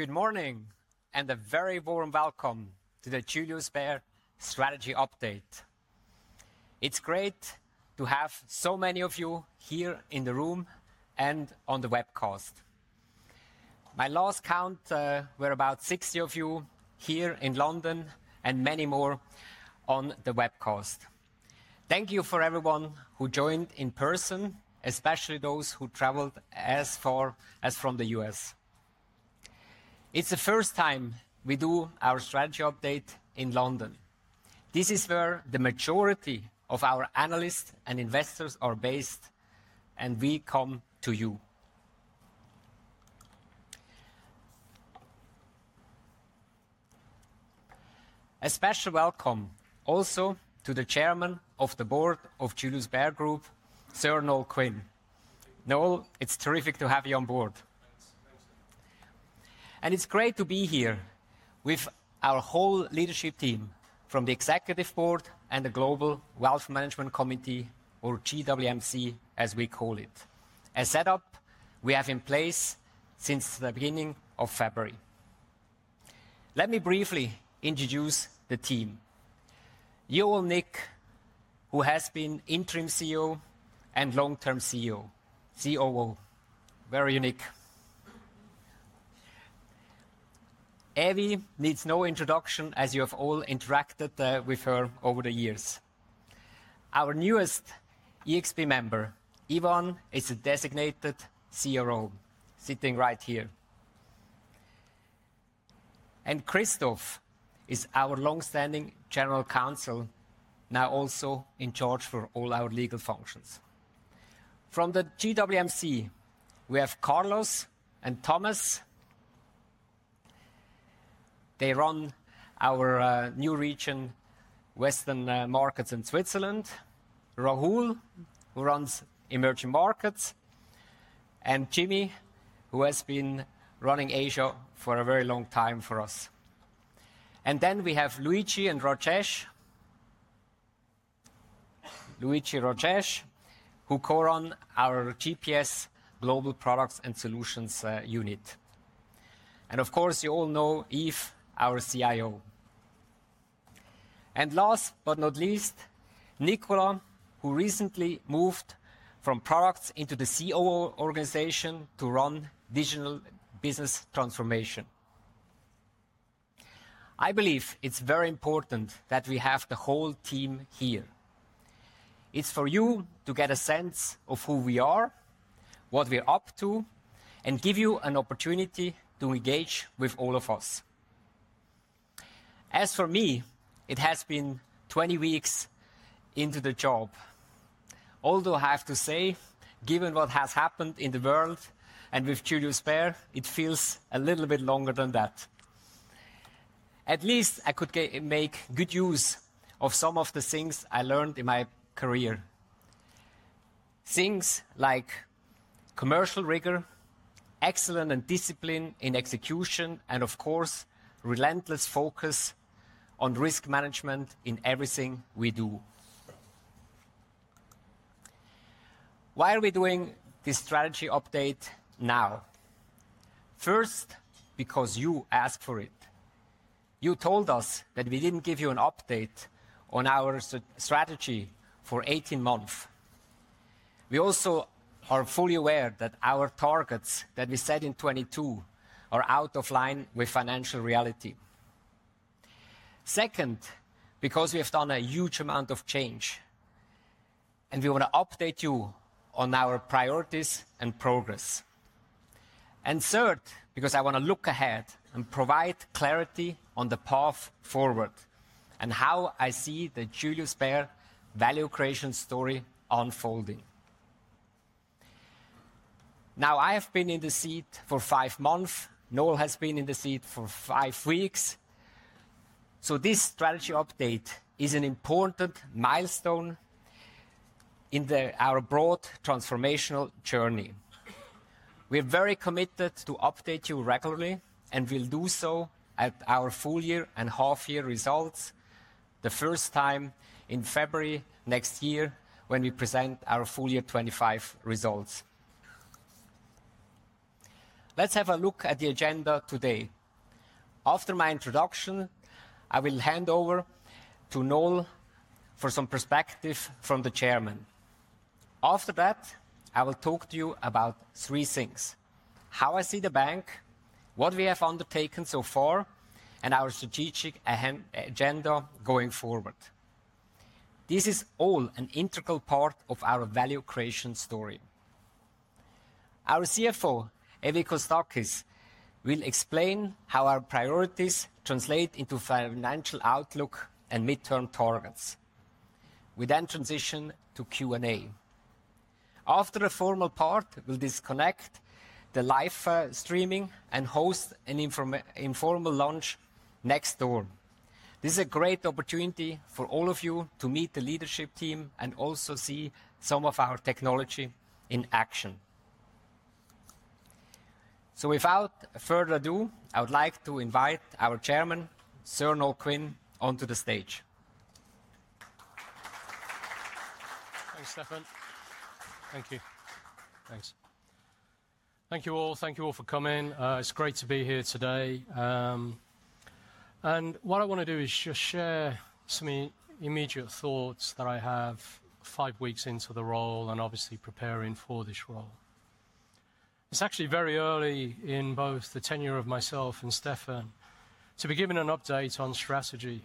Good morning, and a very warm welcome to the Julius Bär Strategy Update. It's great to have so many of you here in the room and on the webcast. My last count, we're about 60 of you here in London, and many more on the webcast. Thank you for everyone who joined in person, especially those who traveled as far as from the U.S. It's the first time we do our strategy update in London. This is where the majority of our analysts and investors are based, and we come to you. A special welcome also to the Chairman of the Board of Julius Bär Gruppe, Sir Noel Quinn. Noel, it's terrific to have you on board. Thanks. Thanks, sir. It is great to be here with our whole leadership team, from the Executive Board and the Global Wealth Management Committee, or GWMC, as we call it, a setup we have in place since the beginning of February. Let me briefly introduce the team. You will all meet Nick, who has been interim CEO and long-term COO. Very unique. Evie needs no introduction, as you have all interacted with her over the years. Our newest EXP member, Ivan, is a designated CRO sitting right here. Christoph is our longstanding General Counsel, now also in charge for all our legal functions. From the GWMC, we have Carlos and Thomas. They run our new region, Western markets in Switzerland. Rahul, who runs emerging markets. Jimmy, who has been running Asia for a very long time for us. Then we have Luigi and Rajesh. Luigi, Rajesh, who core on our GPS Global Products and Solutions unit. Of course, you all know Yves, our CIO. Last but not least, Nicolas, who recently moved from products into the COO organization to run digital business transformation. I believe it's very important that we have the whole team here. It's for you to get a sense of who we are, what we're up to, and give you an opportunity to engage with all of us. As for me, it has been 20 weeks into the job. Although I have to say, given what has happened in the world and with Julius Bär, it feels a little bit longer than that. At least I could make good use of some of the things I learned in my career. Things like commercial rigor, excellent discipline in execution, and of course, relentless focus on risk management in everything we do. Why are we doing this strategy update now? First, because you asked for it. You told us that we did not give you an update on our strategy for 18 months. We also are fully aware that our targets that we set in 2022 are out of line with financial reality. Second, because we have done a huge amount of change, and we want to update you on our priorities and progress. Third, because I want to look ahead and provide clarity on the path forward and how I see the Julius Bär value creation story unfolding. Now, I have been in the seat for five months. Noel has been in the seat for five weeks. This strategy update is an important milestone in our broad transformational journey. We are very committed to update you regularly, and we'll do so at our full year and half-year results the first time in February next year when we present our full year 2025 results. Let's have a look at the agenda today. After my introduction, I will hand over to Noel for some perspective from the Chairman. After that, I will talk to you about three things: how I see the bank, what we have undertaken so far, and our strategic agenda going forward. This is all an integral part of our value creation story. Our CFO, Evie Kostakis, will explain how our priorities translate into financial outlook and midterm targets. We then transition to Q&A. After the formal part, we'll disconnect the live streaming and host an informal lunch next door. This is a great opportunity for all of you to meet the leadership team and also see some of our technology in action. Without further ado, I would like to invite our Chairman, Sir Noel Quinn, onto the stage. Thanks, Stefan. Thank you. Thanks. Thank you all. Thank you all for coming. It's great to be here today. What I want to do is just share some immediate thoughts that I have five weeks into the role and obviously preparing for this role. It's actually very early in both the tenure of myself and Stefan to be given an update on strategy.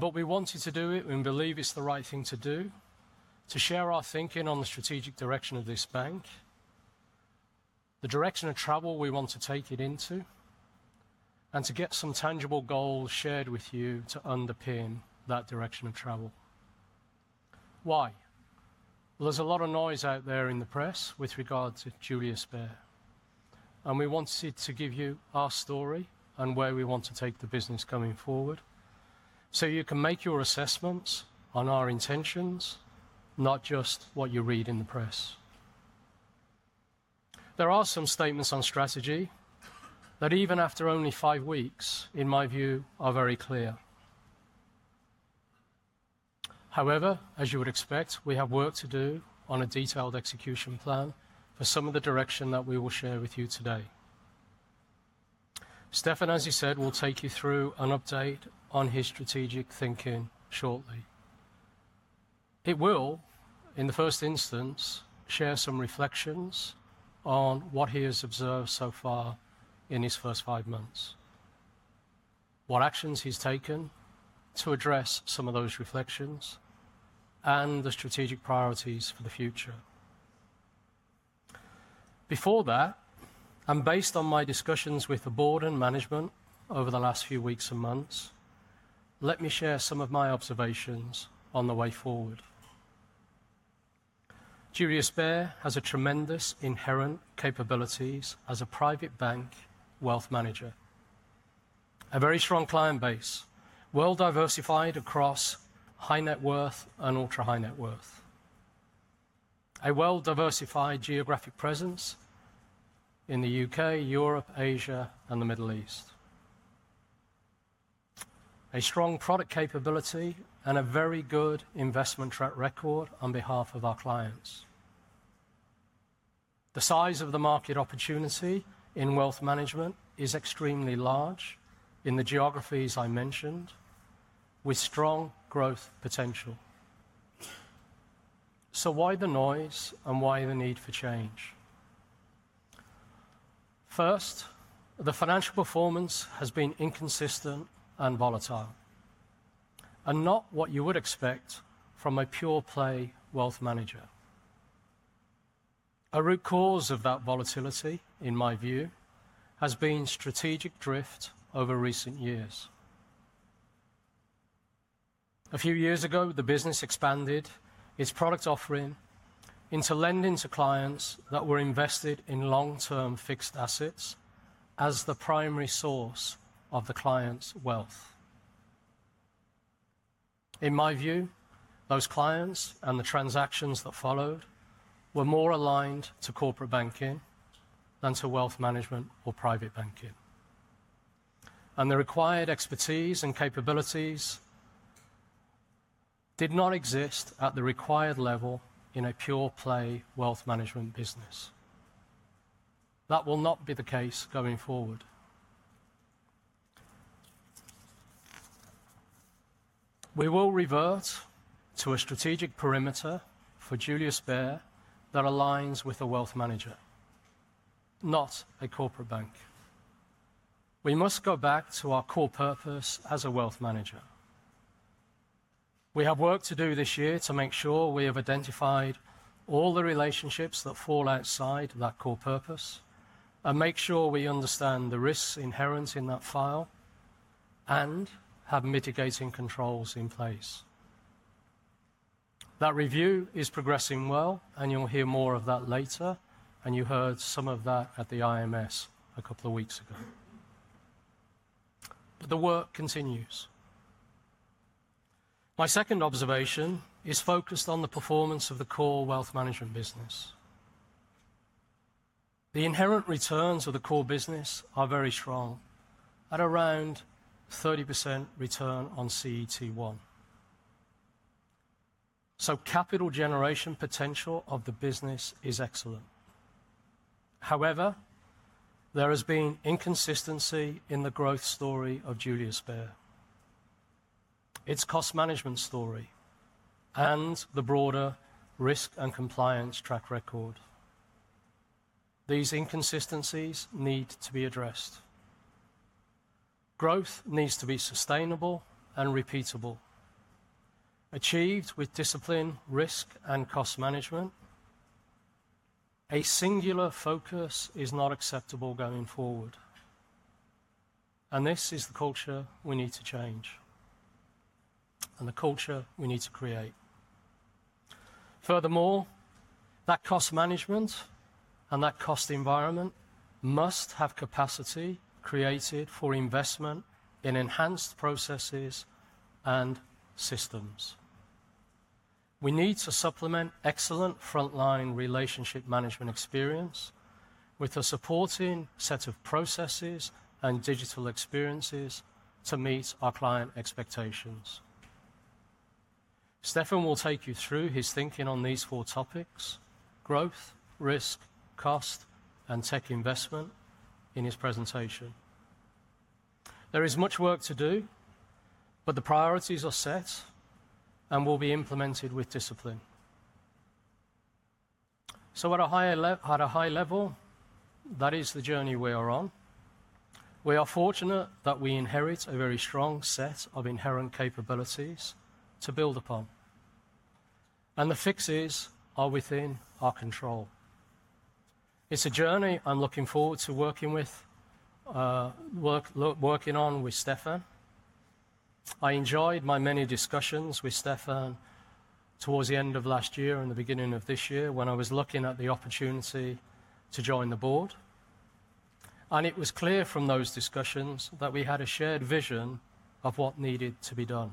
We wanted to do it. We believe it's the right thing to do, to share our thinking on the strategic direction of this bank, the direction of travel we want to take it into, and to get some tangible goals shared with you to underpin that direction of travel. Why? There is a lot of noise out there in the press with regard to Julius Bär. We wanted to give you our story and where we want to take the business coming forward so you can make your assessments on our intentions, not just what you read in the press. There are some statements on strategy that, even after only five weeks, in my view, are very clear. However, as you would expect, we have work to do on a detailed execution plan for some of the direction that we will share with you today. Stefan, as you said, will take you through an update on his strategic thinking shortly. It will, in the first instance, share some reflections on what he has observed so far in his first five months, what actions he's taken to address some of those reflections, and the strategic priorities for the future. Before that, and based on my discussions with the board and management over the last few weeks and months, let me share some of my observations on the way forward. Julius Bär has tremendous inherent capabilities as a private bank wealth manager, a very strong client base, well-diversified across high net worth and ultra-high net worth, a well-diversified geographic presence in the U.K., Europe, Asia, and the Middle East, a strong product capability, and a very good investment track record on behalf of our clients. The size of the market opportunity in wealth management is extremely large in the geographies I mentioned, with strong growth potential. Why the noise and why the need for change? First, the financial performance has been inconsistent and volatile, and not what you would expect from a pure-play wealth manager. A root cause of that volatility, in my view, has been strategic drift over recent years. A few years ago, the business expanded its product offering into lending to clients that were invested in long-term fixed assets as the primary source of the client's wealth. In my view, those clients and the transactions that followed were more aligned to corporate banking than to wealth management or private banking. The required expertise and capabilities did not exist at the required level in a pure-play wealth management business. That will not be the case going forward. We will revert to a strategic perimeter for Julius Bär that aligns with a wealth manager, not a corporate bank. We must go back to our core purpose as a wealth manager. We have work to do this year to make sure we have identified all the relationships that fall outside that core purpose and make sure we understand the risks inherent in that file and have mitigating controls in place. That review is progressing well, and you'll hear more of that later. You heard some of that at the IMS a couple of weeks ago. The work continues. My second observation is focused on the performance of the core wealth management business. The inherent returns of the core business are very strong, at around 30% return on CET1. The capital generation potential of the business is excellent. However, there has been inconsistency in the growth story of Julius Bär, its cost management story, and the broader risk and compliance track record. These inconsistencies need to be addressed. Growth needs to be sustainable and repeatable, achieved with discipline, risk, and cost management. A singular focus is not acceptable going forward. This is the culture we need to change and the culture we need to create. Furthermore, that cost management and that cost environment must have capacity created for investment in enhanced processes and systems. We need to supplement excellent frontline relationship management experience with a supporting set of processes and digital experiences to meet our client expectations. Stefan will take you through his thinking on these four topics: growth, risk, cost, and tech investment in his presentation. There is much work to do, but the priorities are set and will be implemented with discipline. At a high level, that is the journey we are on. We are fortunate that we inherit a very strong set of inherent capabilities to build upon. The fixes are within our control. It is a journey I am looking forward to working with, working on with Stefan. I enjoyed my many discussions with Stefan towards the end of last year and the beginning of this year when I was looking at the opportunity to join the board. It was clear from those discussions that we had a shared vision of what needed to be done.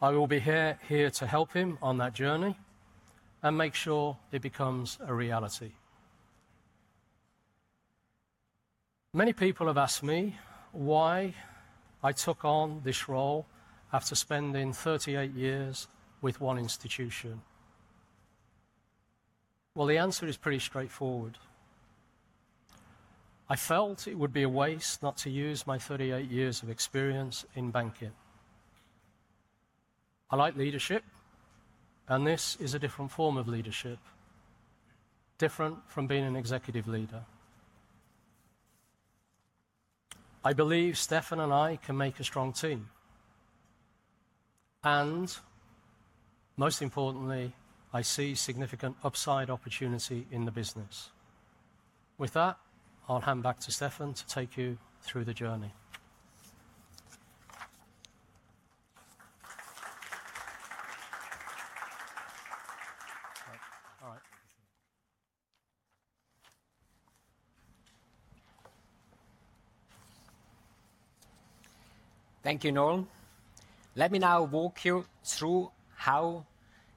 I will be here to help him on that journey and make sure it becomes a reality. Many people have asked me why I took on this role after spending 38 years with one institution. The answer is pretty straightforward. I felt it would be a waste not to use my 38 years of experience in banking. I like leadership, and this is a different form of leadership, different from being an executive leader. I believe Stefan and I can make a strong team. Most importantly, I see significant upside opportunity in the business. With that, I'll hand back to Stefan to take you through the journey. All right. Thank you, Noel. Let me now walk you through how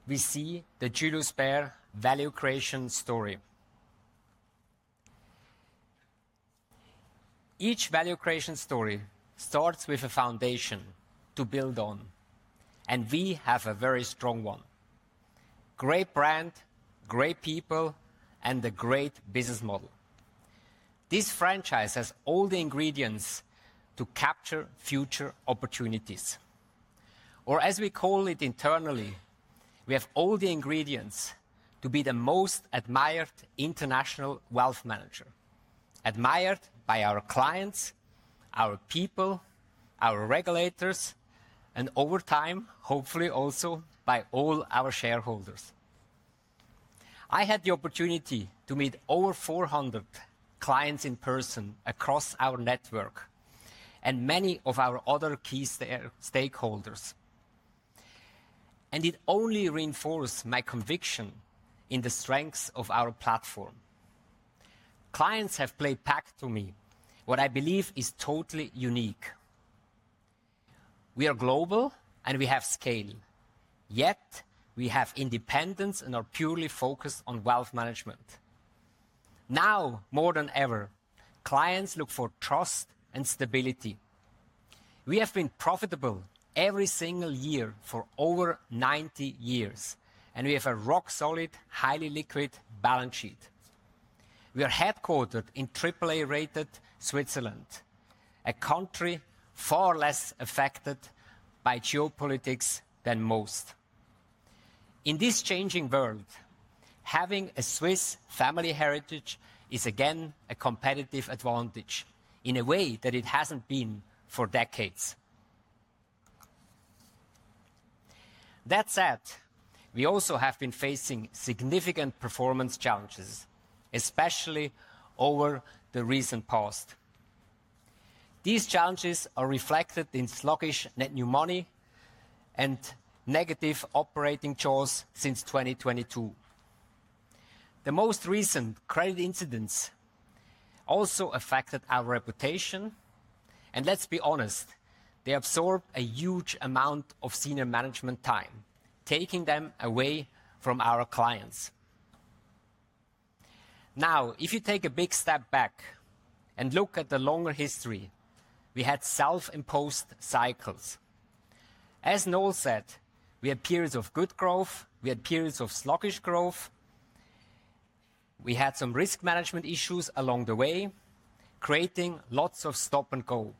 we see the Julius Bär value creation story. Each value creation story starts with a foundation to build on, and we have a very strong one: great brand, great people, and a great business model. This franchise has all the ingredients to capture future opportunities. Or, as we call it internally, we have all the ingredients to be the most admired international wealth manager, admired by our clients, our people, our regulators, and over time, hopefully also by all our shareholders. I had the opportunity to meet over 400 clients in person across our network and many of our other key stakeholders, and it only reinforced my conviction in the strengths of our platform. Clients have played back to me what I believe is totally unique. We are global, and we have scale. Yet we have independence and are purely focused on wealth management. Now, more than ever, clients look for trust and stability. We have been profitable every single year for over 90 years, and we have a rock-solid, highly liquid balance sheet. We are headquartered in AAA-rated Switzerland, a country far less affected by geopolitics than most. In this changing world, having a Swiss family heritage is again a competitive advantage in a way that it has not been for decades. That said, we also have been facing significant performance challenges, especially over the recent past. These challenges are reflected in sluggish net new money and negative operating chores since 2022. The most recent credit incidents also affected our reputation. Let's be honest, they absorbed a huge amount of senior management time, taking them away from our clients. Now, if you take a big step back and look at the longer history, we had self-imposed cycles. As Noel said, we had periods of good growth. We had periods of sluggish growth. We had some risk management issues along the way, creating lots of stop-and-go.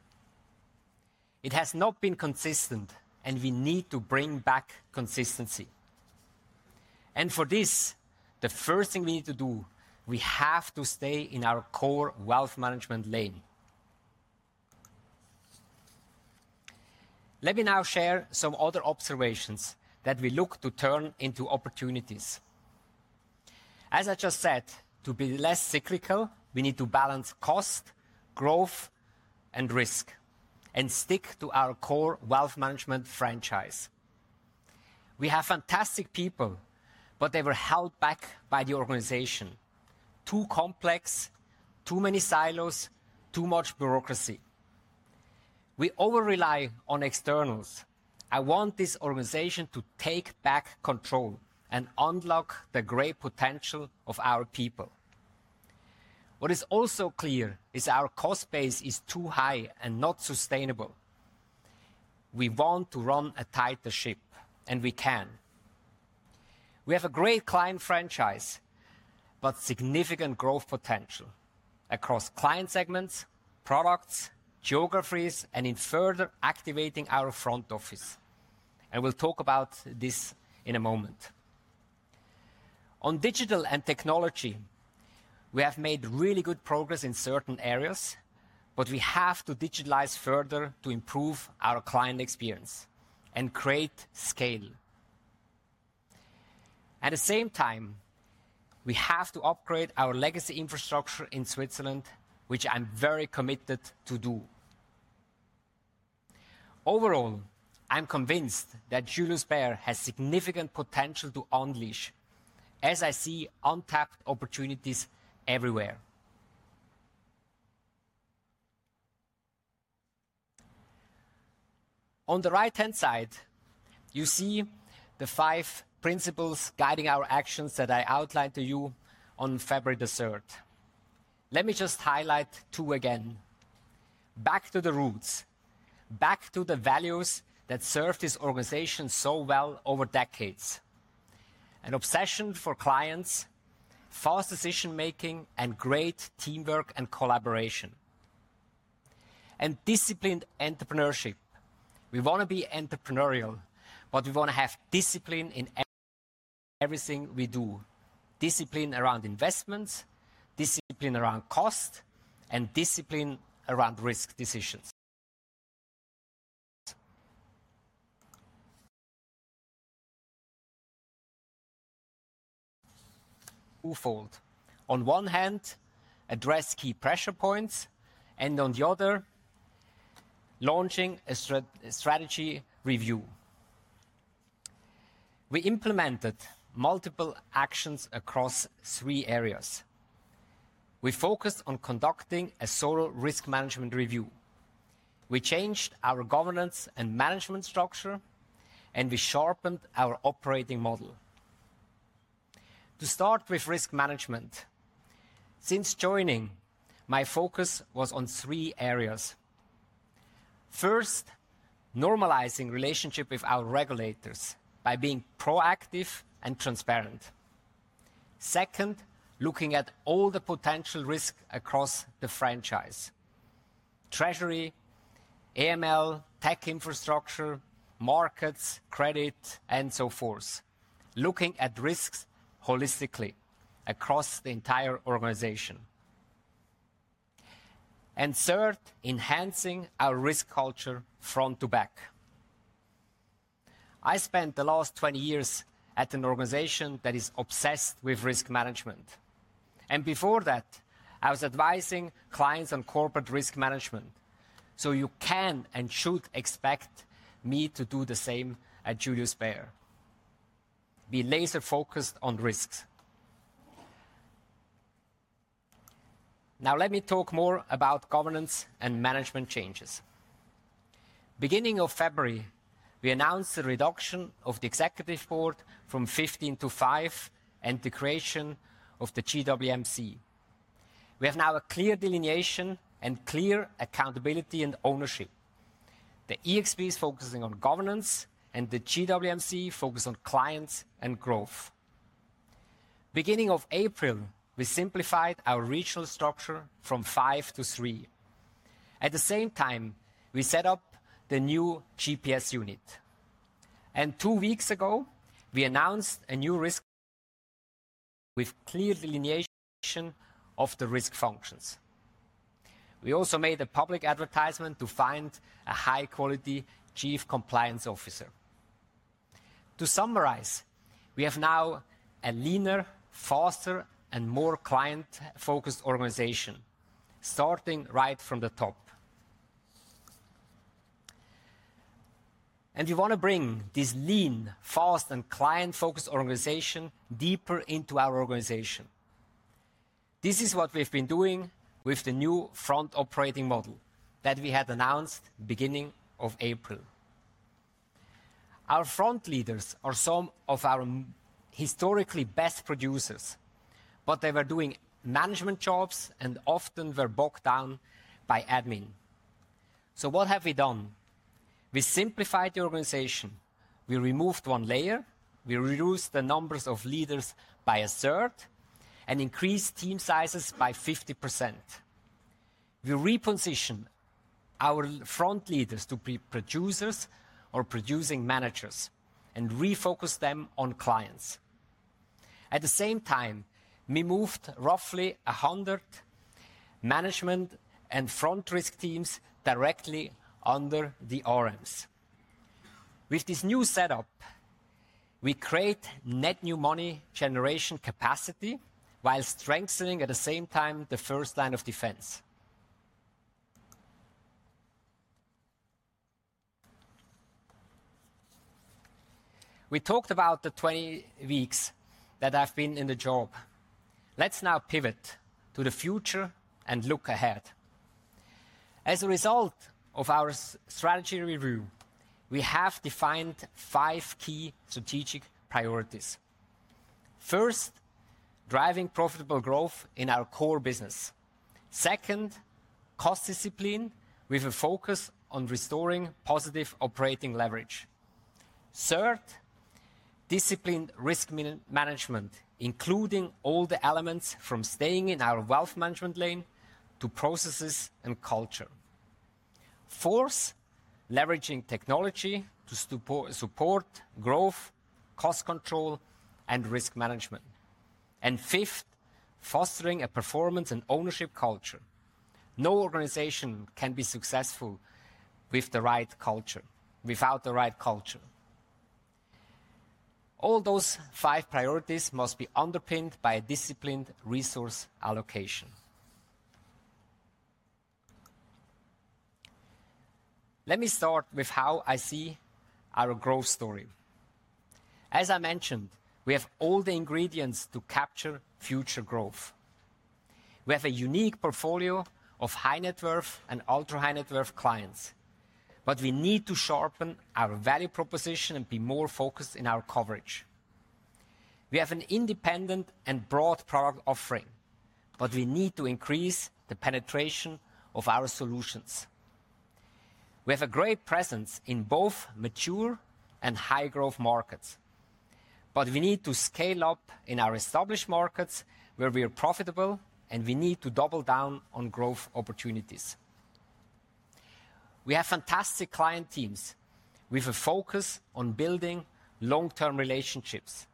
It has not been consistent, and we need to bring back consistency. For this, the first thing we need to do, we have to stay in our core wealth management lane. Let me now share some other observations that we look to turn into opportunities. As I just said, to be less cyclical, we need to balance cost, growth, and risk and stick to our core wealth management franchise. We have fantastic people, but they were held back by the organization: too complex, too many silos, too much bureaucracy. We over-rely on externals. I want this organization to take back control and unlock the great potential of our people. What is also clear is our cost base is too high and not sustainable. We want to run a tighter ship, and we can. We have a great client franchise, but significant growth potential across client segments, products, geographies, and in further activating our front office. We will talk about this in a moment. On digital and technology, we have made really good progress in certain areas, but we have to digitalize further to improve our client experience and create scale. At the same time, we have to upgrade our legacy infrastructure in Switzerland, which I'm very committed to do. Overall, I'm convinced that Julius Bär has significant potential to unleash, as I see untapped opportunities everywhere. On the right-hand side, you see the five principles guiding our actions that I outlined to you on February 3rd. Let me just highlight two again. Back to the roots, back to the values that served this organization so well over decades: an obsession for clients, fast decision-making, and great teamwork and collaboration, and disciplined entrepreneurship. We want to be entrepreneurial, but we want to have discipline in everything we do: discipline around investments, discipline around cost, and discipline around risk decisions. Two-fold. On one hand, address key pressure points, and on the other, launching a strategy review. We implemented multiple actions across three areas. We focused on conducting a solo risk management review. We changed our governance and management structure, and we sharpened our operating model. To start with risk management, since joining, my focus was on three areas. First, normalizing relationship with our regulators by being proactive and transparent. Second, looking at all the potential risks across the franchise: treasury, AML, tech infrastructure, markets, credit, and so forth. Looking at risks holistically across the entire organization. Third, enhancing our risk culture front to back. I spent the last 20 years at an organization that is obsessed with risk management. Before that, I was advising clients on corporate risk management. You can and should expect me to do the same at Julius Bär. We laser-focused on risks. Now, let me talk more about governance and management changes. Beginning of February, we announced the reduction of the executive board from 15 to 5 and the creation of the GWMC. We have now a clear delineation and clear accountability and ownership. The EXP is focusing on governance, and the GWMC focuses on clients and growth. Beginning of April, we simplified our regional structure from five to three. At the same time, we set up the new GPS unit. Two weeks ago, we announced a new risk with clear delineation of the risk functions. We also made a public advertisement to find a high-quality Chief Compliance Officer. To summarize, we have now a leaner, faster, and more client-focused organization starting right from the top. We want to bring this lean, fast, and client-focused organization deeper into our organization. This is what we've been doing with the new front operating model that we had announced beginning of April. Our front leaders are some of our historically best producers, but they were doing management jobs and often were bogged down by admin. What have we done? We simplified the organization. We removed one layer. We reduced the numbers of leaders by a third and increased team sizes by 50%. We repositioned our front leaders to be producers or producing managers and refocused them on clients. At the same time, we moved roughly 100 management and front risk teams directly under the RMs. With this new setup, we create net new money generation capacity while strengthening at the same time the first line of defense. We talked about the 20 weeks that I've been in the job. Let's now pivot to the future and look ahead. As a result of our strategy review, we have defined five key strategic priorities. First, driving profitable growth in our core business. Second, cost discipline with a focus on restoring positive operating leverage. Third, disciplined risk management, including all the elements from staying in our wealth management lane to processes and culture. Fourth, leveraging technology to support growth, cost control, and risk management. Fifth, fostering a performance and ownership culture. No organization can be successful without the right culture. All those five priorities must be underpinned by a disciplined resource allocation. Let me start with how I see our growth story. As I mentioned, we have all the ingredients to capture future growth. We have a unique portfolio of high net worth and ultra high net worth clients, but we need to sharpen our value proposition and be more focused in our coverage. We have an independent and broad product offering, but we need to increase the penetration of our solutions. We have a great presence in both mature and high-growth markets, but we need to scale up in our established markets where we are profitable, and we need to double down on growth opportunities. We have fantastic client teams with a focus on building long-term relationships,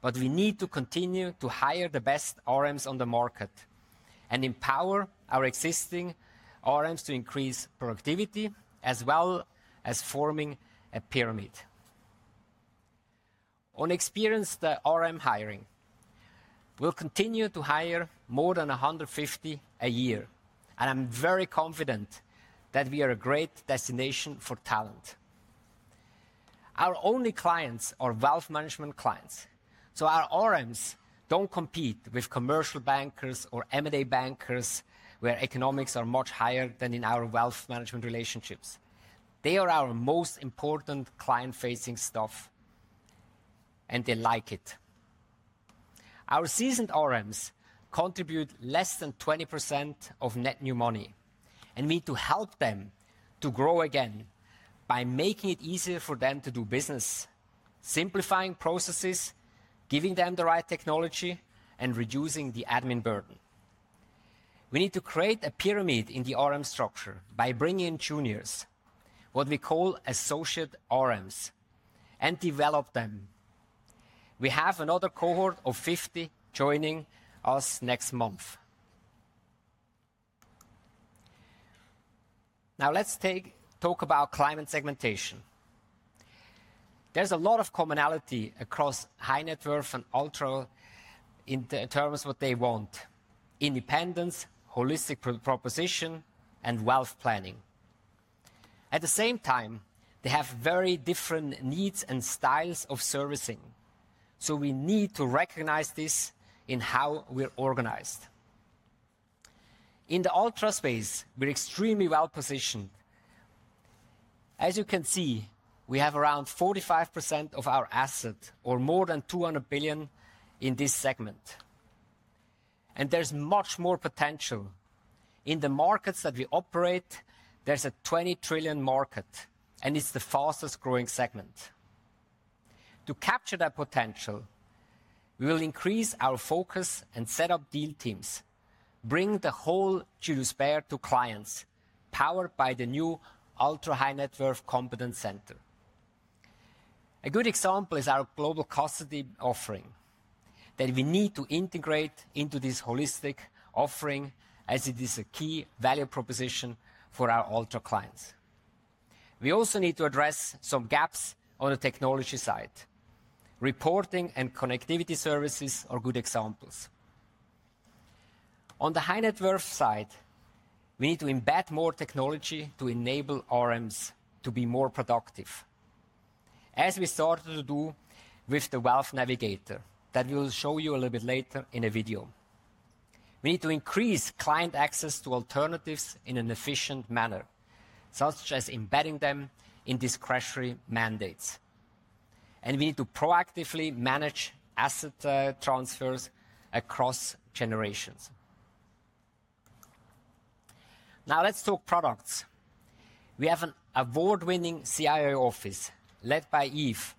but we need to continue to hire the best RMs on the market and empower our existing RMs to increase productivity as well as forming a pyramid. On experienced RM hiring, we'll continue to hire more than 150 a year, and I'm very confident that we are a great destination for talent. Our only clients are wealth management clients, so our RMs don't compete with commercial bankers or M&A bankers where economics are much higher than in our wealth management relationships. They are our most important client-facing staff, and they like it. Our seasoned RMs contribute less than 20% of net new money and need to help them to grow again by making it easier for them to do business, simplifying processes, giving them the right technology, and reducing the admin burden. We need to create a pyramid in the RM structure by bringing in juniors, what we call associate RMs, and develop them. We have another cohort of 50 joining us next month. Now, let's talk about client segmentation. There's a lot of commonality across high net worth and ultra in terms of what they want: independence, holistic proposition, and wealth planning. At the same time, they have very different needs and styles of servicing, so we need to recognize this in how we're organized. In the ultra space, we're extremely well positioned. As you can see, we have around 45% of our assets or more than 200 billion in this segment, and there's much more potential. In the markets that we operate, there's a 20 trillion market, and it's the fastest growing segment. To capture that potential, we will increase our focus and set up deal teams, bring the whole Julius Bär to clients powered by the new ultra high net worth competence center. A good example is our global custody offering that we need to integrate into this holistic offering as it is a key value proposition for our ultra clients. We also need to address some gaps on the technology side. Reporting and connectivity services are good examples. On the high net worth side, we need to embed more technology to enable RMs to be more productive, as we started to do with the Wealth Navigator that we will show you a little bit later in a video. We need to increase client access to alternatives in an efficient manner, such as embedding them in discretionary mandates, and we need to proactively manage asset transfers across generations. Now, let's talk products. We have an award-winning CIO office led by Yves,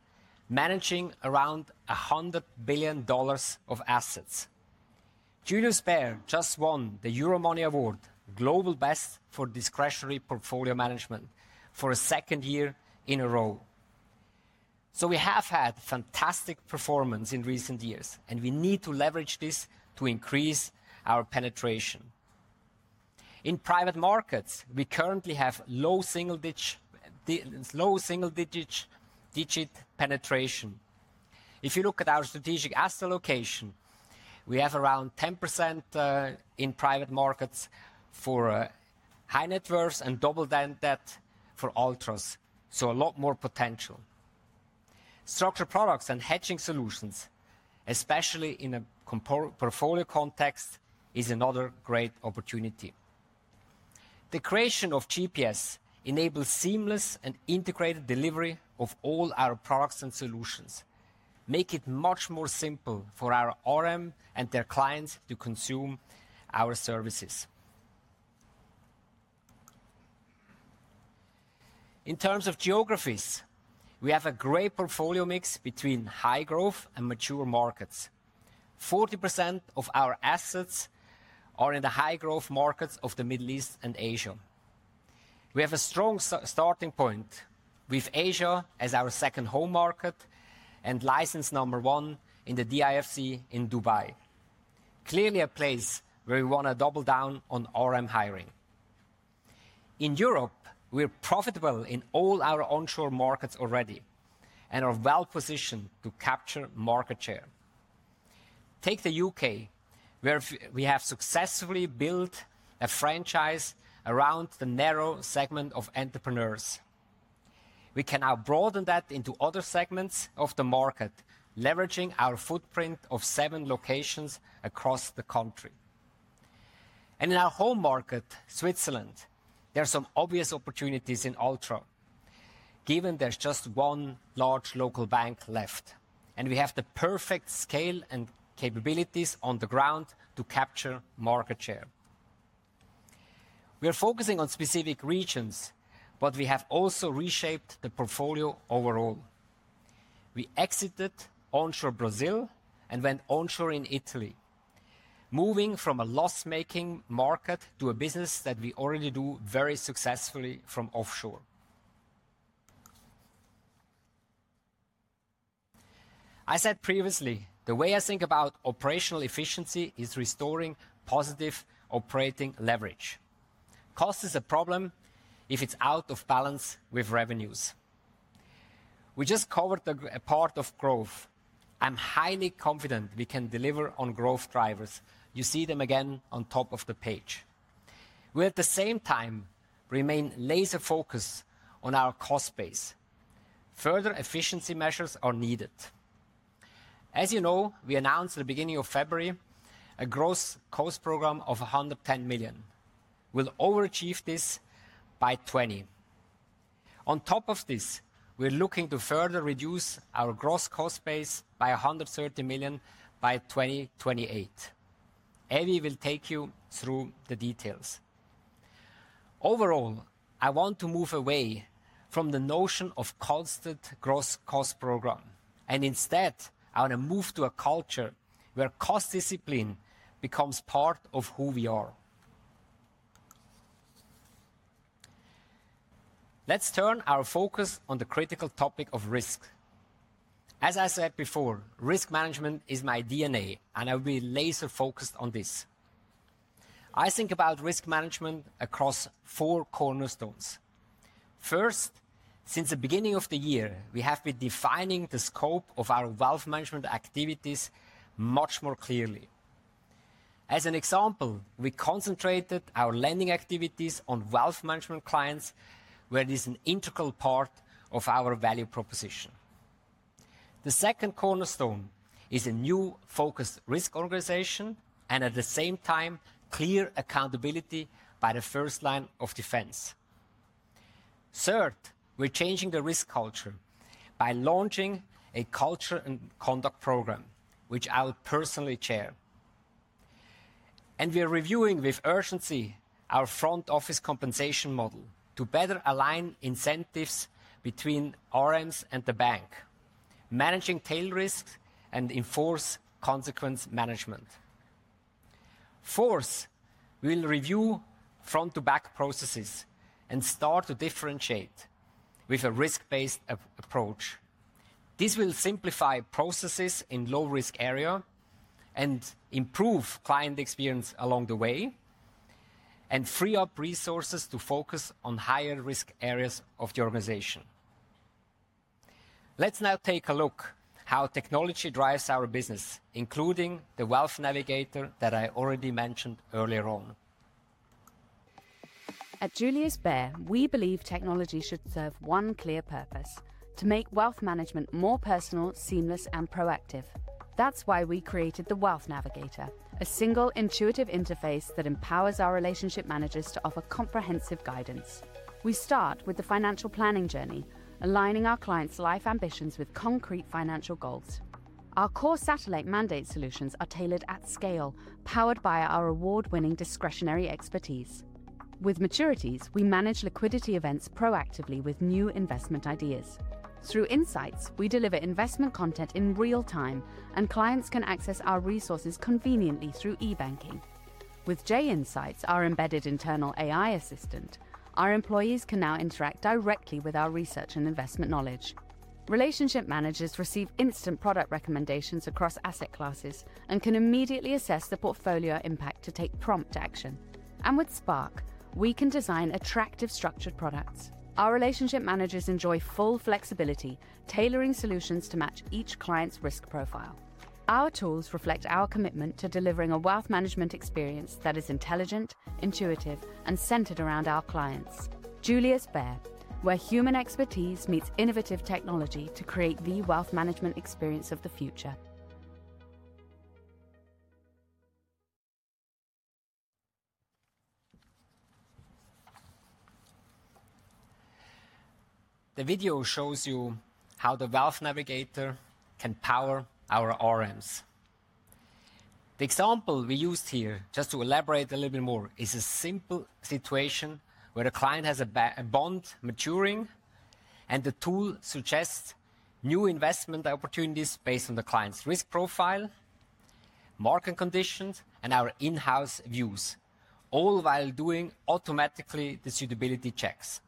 managing around $100 billion of assets. Julius Bär just won the Euro Money Award, Global Best for Discretionary Portfolio Management for a second year in a row. We have had fantastic performance in recent years, and we need to leverage this to increase our penetration. In private markets, we currently have low single-digit penetration. If you look at our strategic asset allocation, we have around 10% in private markets for high net worth and double that for ultras, so a lot more potential. Structured products and hedging solutions, especially in a portfolio context, are another great opportunity. The creation of GPS enables seamless and integrated delivery of all our products and solutions, making it much more simple for our RM and their clients to consume our services. In terms of geographies, we have a great portfolio mix between high growth and mature markets. 40% of our assets are in the high growth markets of the Middle East and Asia. We have a strong starting point with Asia as our second home market and license number one in the DIFC in Dubai, clearly a place where we want to double down on RM hiring. In Europe, we are profitable in all our onshore markets already and are well positioned to capture market share. Take the U.K., where we have successfully built a franchise around the narrow segment of entrepreneurs. We can now broaden that into other segments of the market, leveraging our footprint of seven locations across the country. In our home market, Switzerland, there are some obvious opportunities in ultra, given there is just one large local bank left, and we have the perfect scale and capabilities on the ground to capture market share. We are focusing on specific regions, but we have also reshaped the portfolio overall. We exited onshore Brazil and went onshore in Italy, moving from a loss-making market to a business that we already do very successfully from offshore. I said previously, the way I think about operational efficiency is restoring positive operating leverage. Cost is a problem if it is out of balance with revenues. We just covered a part of growth. I am highly confident we can deliver on growth drivers. You see them again on top of the page. We at the same time remain laser-focused on our cost base. Further efficiency measures are needed. As you know, we announced at the beginning of February a gross cost program of 110 million. We'll overachieve this by 20 million. On top of this, we're looking to further reduce our gross cost base by 130 million by 2028. Evie will take you through the details. Overall, I want to move away from the notion of constant gross cost program and instead I want to move to a culture where cost discipline becomes part of who we are. Let's turn our focus on the critical topic of risk. As I said before, risk management is my DNA, and I'll be laser-focused on this. I think about risk management across four cornerstones. First, since the beginning of the year, we have been defining the scope of our wealth management activities much more clearly. As an example, we concentrated our lending activities on wealth management clients where it is an integral part of our value proposition. The second cornerstone is a new focused risk organization and at the same time clear accountability by the first line of defense. Third, we're changing the risk culture by launching a culture and conduct program, which I'll personally chair. We are reviewing with urgency our front office compensation model to better align incentives between RMs and the bank, managing tail risks and enforce consequence management. Fourth, we'll review front-to-back processes and start to differentiate with a risk-based approach. This will simplify processes in low-risk areas and improve client experience along the way and free up resources to focus on higher risk areas of the organization. Let's now take a look at how technology drives our business, including the Wealth Navigator that I already mentioned earlier on. At Julius Bär, we believe technology should serve one clear purpose: to make wealth management more personal, seamless, and proactive. That's why we created the Wealth Navigator, a single intuitive interface that empowers our relationship managers to offer comprehensive guidance. We start with the financial planning journey, aligning our clients' life ambitions with concrete financial goals. Our core satellite mandate solutions are tailored at scale, powered by our award-winning discretionary expertise. With maturities, we manage liquidity events proactively with new investment ideas. Through Insights, we deliver investment content in real time, and clients can access our resources conveniently through e-banking. With Jay Insights, our embedded internal AI assistant, our employees can now interact directly with our research and investment knowledge. Relationship managers receive instant product recommendations across asset classes and can immediately assess the portfolio impact to take prompt action. With Spark, we can design attractive structured products. Our relationship managers enjoy full flexibility, tailoring solutions to match each client's risk profile. Our tools reflect our commitment to delivering a wealth management experience that is intelligent, intuitive, and centered around our clients. Julius Bär, where human expertise meets innovative technology to create the wealth management experience of the future. The video shows you how the Wealth Navigator can power our RMs. The example we used here just to elaborate a little bit more is a simple situation where a client has a bond maturing, and the tool suggests new investment opportunities based on the client's risk profile, market conditions, and our in-house views, all while doing automatically the suitability checks.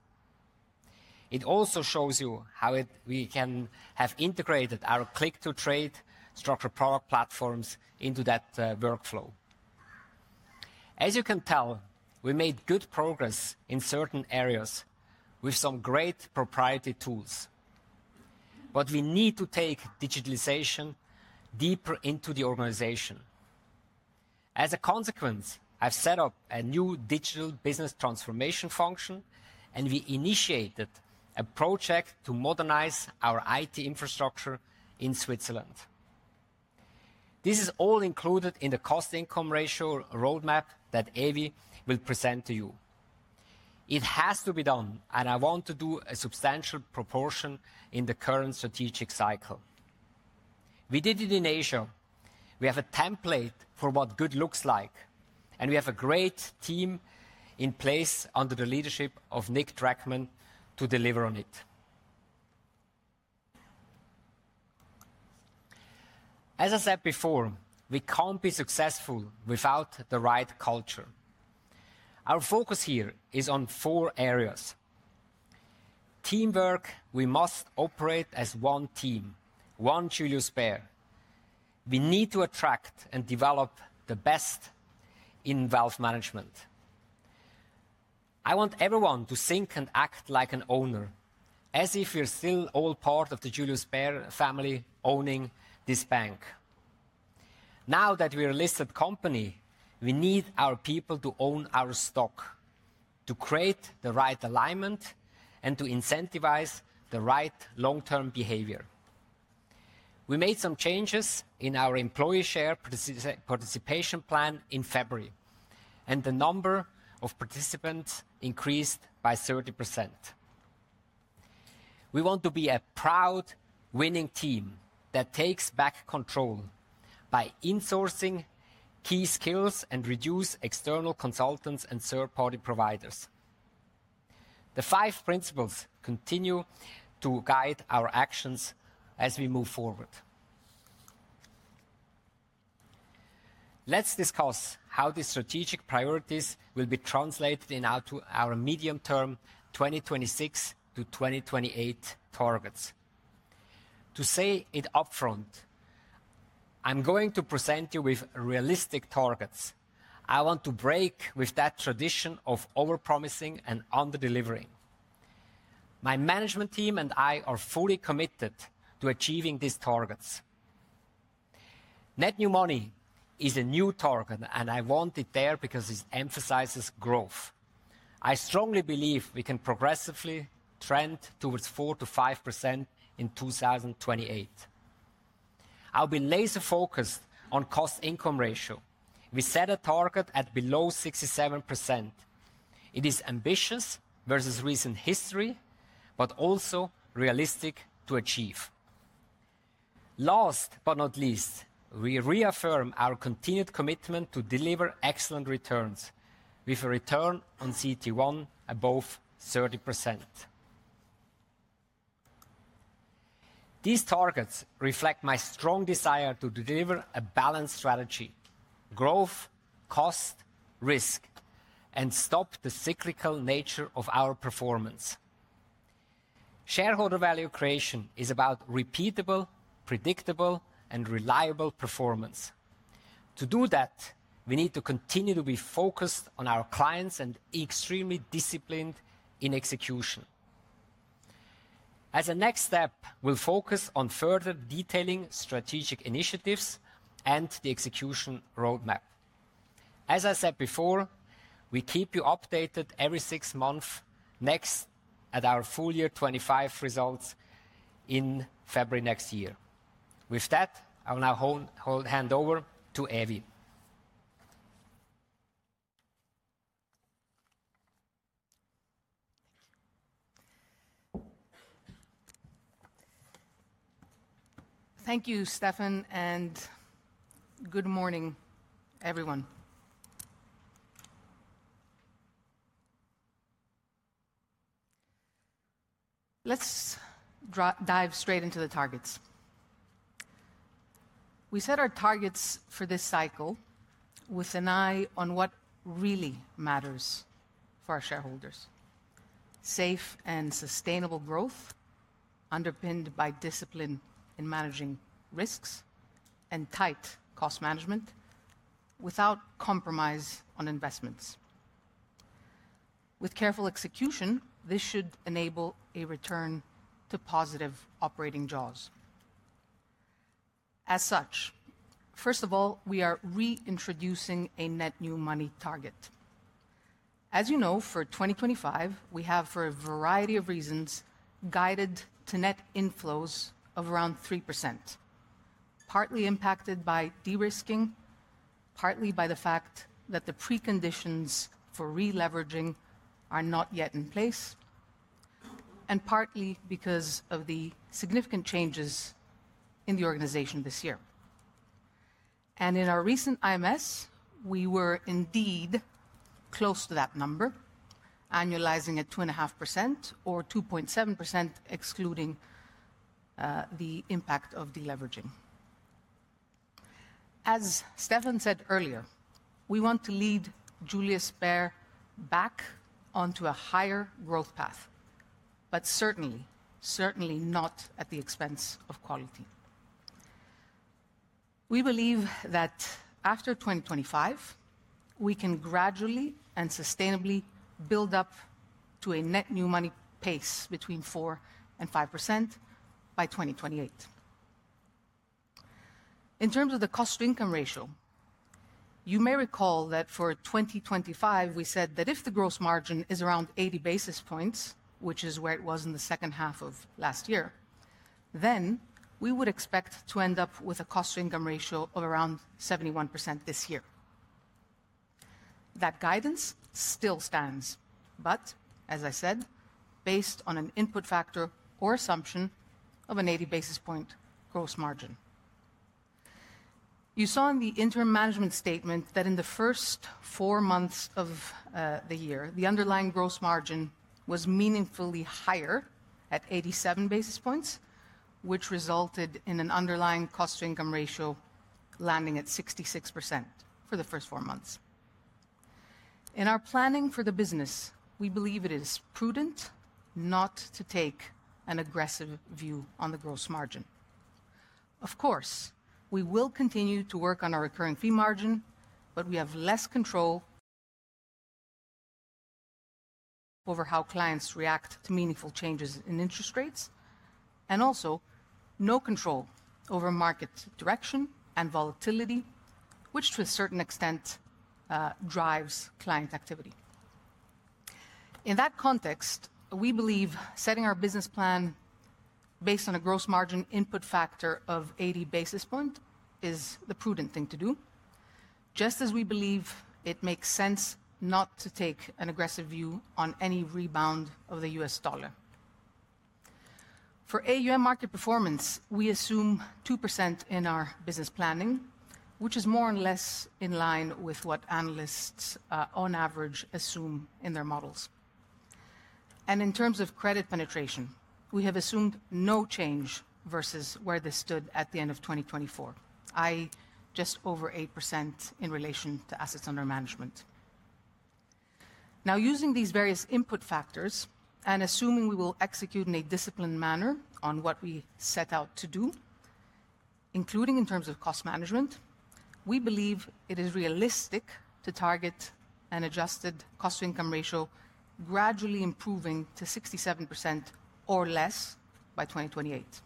It also shows you how we can have integrated our click-to-trade structured product platforms into that workflow. As you can tell, we made good progress in certain areas with some great proprietary tools, but we need to take digitalization deeper into the organization. As a consequence, I've set up a new digital business transformation function, and we initiated a project to modernize our IT infrastructure in Switzerland. This is all included in the cost-income ratio roadmap that Evie will present to you. It has to be done, and I want to do a substantial proportion in the current strategic cycle. We did it in Asia. We have a template for what good looks like, and we have a great team in place under the leadership of Nic Dreckmann to deliver on it. As I said before, we can't be successful without the right culture. Our focus here is on four areas: teamwork. We must operate as one team, one Julius Bär. We need to attract and develop the best in wealth management. I want everyone to think and act like an owner, as if we're still all part of the Julius Bär family owning this bank. Now that we're a listed company, we need our people to own our stock, to create the right alignment, and to incentivize the right long-term behavior. We made some changes in our employee share participation plan in February, and the number of participants increased by 30%. We want to be a proud winning team that takes back control by insourcing key skills and reducing external consultants and third-party providers. The five principles continue to guide our actions as we move forward. Let's discuss how these strategic priorities will be translated into our medium-term 2026 to 2028 targets. To say it upfront, I'm going to present you with realistic targets. I want to break with that tradition of overpromising and under-delivering. My management team and I are fully committed to achieving these targets. Net new money is a new target, and I want it there because it emphasizes growth. I strongly believe we can progressively trend towards 4%-5% in 2028. I'll be laser-focused on cost-income ratio. We set a target at below 67%. It is ambitious versus recent history, but also realistic to achieve. Last but not least, we reaffirm our continued commitment to deliver excellent returns with a return on CET1 above 30%. These targets reflect my strong desire to deliver a balanced strategy: growth, cost, risk, and stop the cyclical nature of our performance. Shareholder value creation is about repeatable, predictable, and reliable performance. To do that, we need to continue to be focused on our clients and be extremely disciplined in execution. As a next step, we'll focus on further detailing strategic initiatives and the execution roadmap. As I said before, we keep you updated every six months next at our full year 2025 results in February next year. With that, I'll now hand over to Evie. Thank you, Stefan, and good morning, everyone. Let's dive straight into the targets. We set our targets for this cycle with an eye on what really matters for our shareholders: safe and sustainable growth underpinned by discipline in managing risks and tight cost management without compromise on investments. With careful execution, this should enable a return to positive operating jaws. As such, first of all, we are reintroducing a net new money target. As you know, for 2025, we have, for a variety of reasons, guided to net inflows of around 3%, partly impacted by de-risking, partly by the fact that the preconditions for re-leveraging are not yet in place, and partly because of the significant changes in the organization this year. In our recent IMS, we were indeed close to that number, annualizing at 2.5% or 2.7%, excluding the impact of de-leveraging. As Stefan said earlier, we want to lead Julius Bär back onto a higher growth path, certainly not at the expense of quality. We believe that after 2025, we can gradually and sustainably build up to a net new money pace between 4% and 5% by 2028. In terms of the cost-to-income ratio, you may recall that for 2025, we said that if the gross margin is around 80 basis points, which is where it was in the second half of last year, then we would expect to end up with a cost-to-income ratio of around 71% this year. That guidance still stands, but as I said, based on an input factor or assumption of an 80 basis point gross margin. You saw in the interim management statement that in the first four months of the year, the underlying gross margin was meaningfully higher at 87 basis points, which resulted in an underlying cost-to-income ratio landing at 66% for the first four months. In our planning for the business, we believe it is prudent not to take an aggressive view on the gross margin. Of course, we will continue to work on our recurring fee margin, but we have less control over how clients react to meaningful changes in interest rates and also no control over market direction and volatility, which to a certain extent drives client activity. In that context, we believe setting our business plan based on a gross margin input factor of 80 basis points is the prudent thing to do, just as we believe it makes sense not to take an aggressive view on any rebound of the US dollar. For AUM market performance, we assume 2% in our business planning, which is more or less in line with what analysts on average assume in their models. In terms of credit penetration, we have assumed no change versus where this stood at the end of 2024, i.e., just over 8% in relation to assets under management. Now, using these various input factors and assuming we will execute in a disciplined manner on what we set out to do, including in terms of cost management, we believe it is realistic to target an adjusted cost-to-income ratio gradually improving to 67% or less by 2028.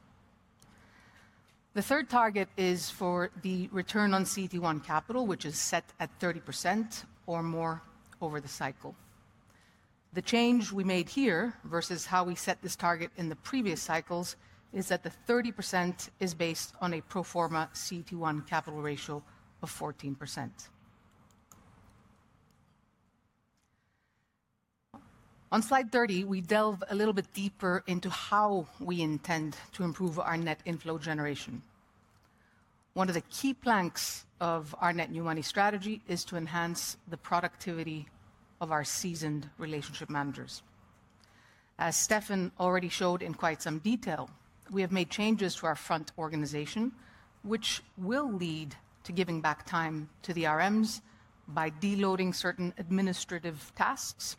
The third target is for the return on CET1 capital, which is set at 30% or more over the cycle. The change we made here versus how we set this target in the previous cycles is that the 30% is based on a pro forma CET1 capital ratio of 14%. On slide 30, we delve a little bit deeper into how we intend to improve our net inflow generation. One of the key planks of our net new money strategy is to enhance the productivity of our seasoned relationship managers. As Stefan already showed in quite some detail, we have made changes to our front organization, which will lead to giving back time to the RMs by deloading certain administrative tasks.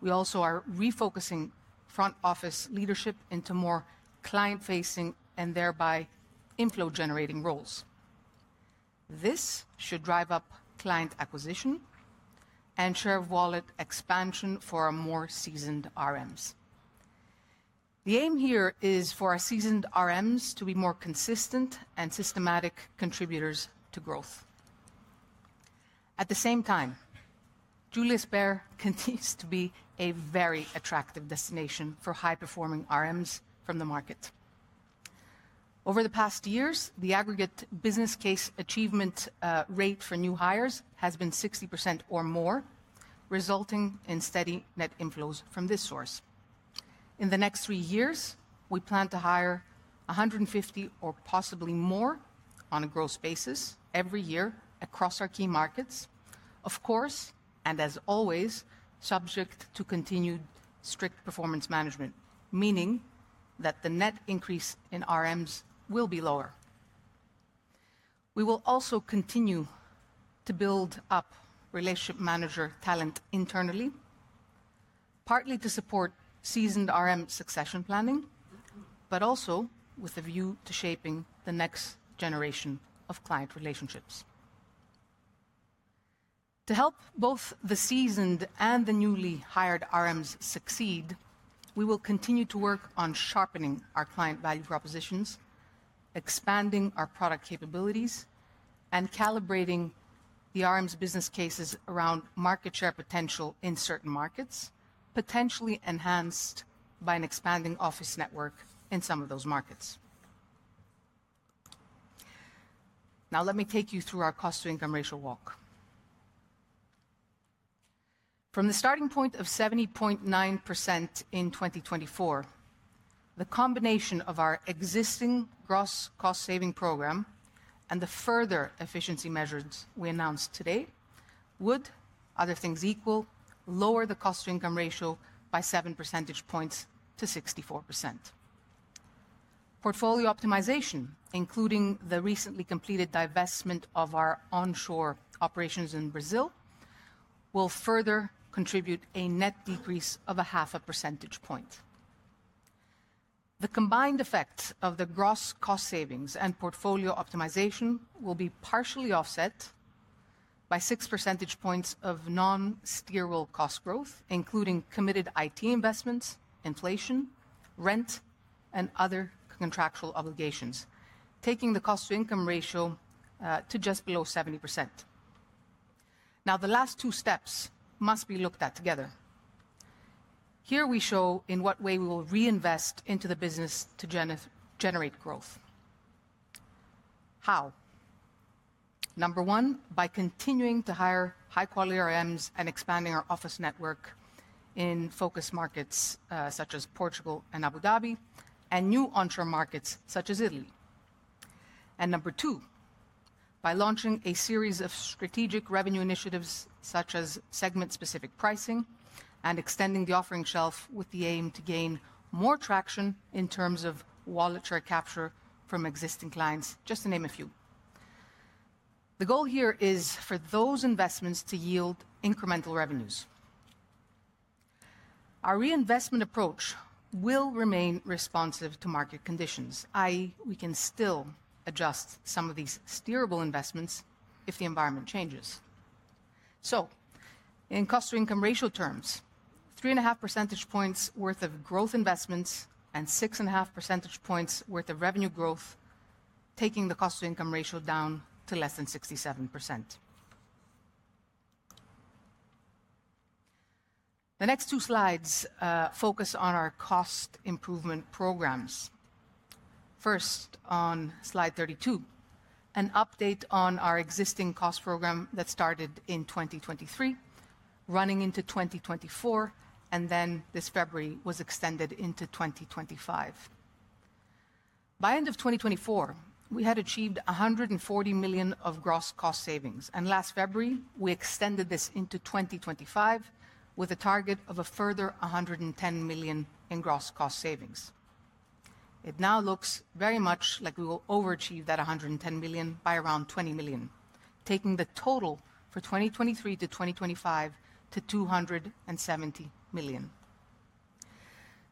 We also are refocusing front office leadership into more client-facing and thereby inflow-generating roles. This should drive up client acquisition and share of wallet expansion for our more seasoned RMs. The aim here is for our seasoned RMs to be more consistent and systematic contributors to growth. At the same time, Julius Bär continues to be a very attractive destination for high-performing RMs from the market. Over the past years, the aggregate business case achievement rate for new hires has been 60% or more, resulting in steady net inflows from this source. In the next three years, we plan to hire 150 or possibly more on a gross basis every year across our key markets, of course, and as always, subject to continued strict performance management, meaning that the net increase in RMs will be lower. We will also continue to build up relationship manager talent internally, partly to support seasoned RM succession planning, but also with a view to shaping the next generation of client relationships. To help both the seasoned and the newly hired RMs succeed, we will continue to work on sharpening our client value propositions, expanding our product capabilities, and calibrating the RM's business cases around market share potential in certain markets, potentially enhanced by an expanding office network in some of those markets. Now, let me take you through our cost-to-income ratio walk. From the starting point of 70.9% in 2024, the combination of our existing gross cost-saving program and the further efficiency measures we announced today would, other things equal, lower the cost-to-income ratio by 7 percentage points to 64%. Portfolio optimization, including the recently completed divestment of our onshore operations in Brazil, will further contribute a net decrease of a half a percentage point. The combined effect of the gross cost savings and portfolio optimization will be partially offset by 6 percentage points of non-structural cost growth, including committed IT investments, inflation, rent, and other contractual obligations, taking the cost-to-income ratio to just below 70%. Now, the last two steps must be looked at together. Here we show in what way we will reinvest into the business to generate growth. How? Number one, by continuing to hire high-quality RMs and expanding our office network in focus markets such as Portugal and Abu Dhabi and new onshore markets such as Italy. Number two, by launching a series of strategic revenue initiatives such as segment-specific pricing and extending the offering shelf with the aim to gain more traction in terms of wallet share capture from existing clients, just to name a few. The goal here is for those investments to yield incremental revenues. Our reinvestment approach will remain responsive to market conditions, i.e., we can still adjust some of these steerable investments if the environment changes. In cost-to-income ratio terms, 3.5 percentage points worth of growth investments and 6.5 percentage points worth of revenue growth, taking the cost-to-income ratio down to less than 67%. The next two slides focus on our cost improvement programs. First, on slide 32, an update on our existing cost program that started in 2023, running into 2024, and then this February was extended into 2025. By the end of 2024, we had achieved 140 million of gross cost savings, and last February, we extended this into 2025 with a target of a further 110 million in gross cost savings. It now looks very much like we will overachieve that 110 million by around 20 million, taking the total for 2023 to 2025 to 270 million.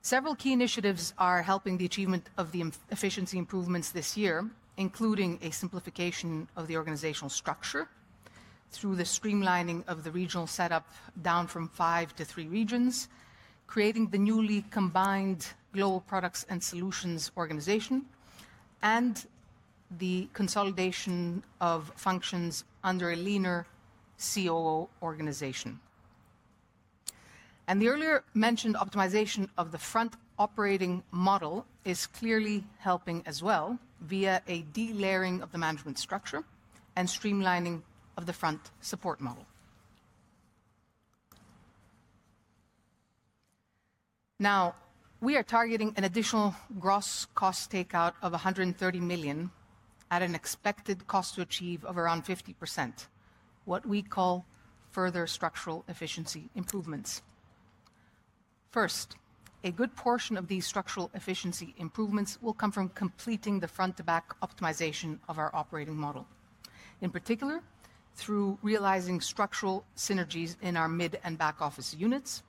Several key initiatives are helping the achievement of the efficiency improvements this year, including a simplification of the organizational structure through the streamlining of the regional setup down from five to three regions, creating the newly combined Global Products and Solutions organization, and the consolidation of functions under a leaner COO organization. The earlier mentioned optimization of the front operating model is clearly helping as well via a de-layering of the management structure and streamlining of the front support model. Now, we are targeting an additional gross cost takeout of 130 million at an expected cost to achieve of around 50%, what we call further structural efficiency improvements. First, a good portion of these structural efficiency improvements will come from completing the front-to-back optimization of our operating model, in particular through realizing structural synergies in our mid and back office units,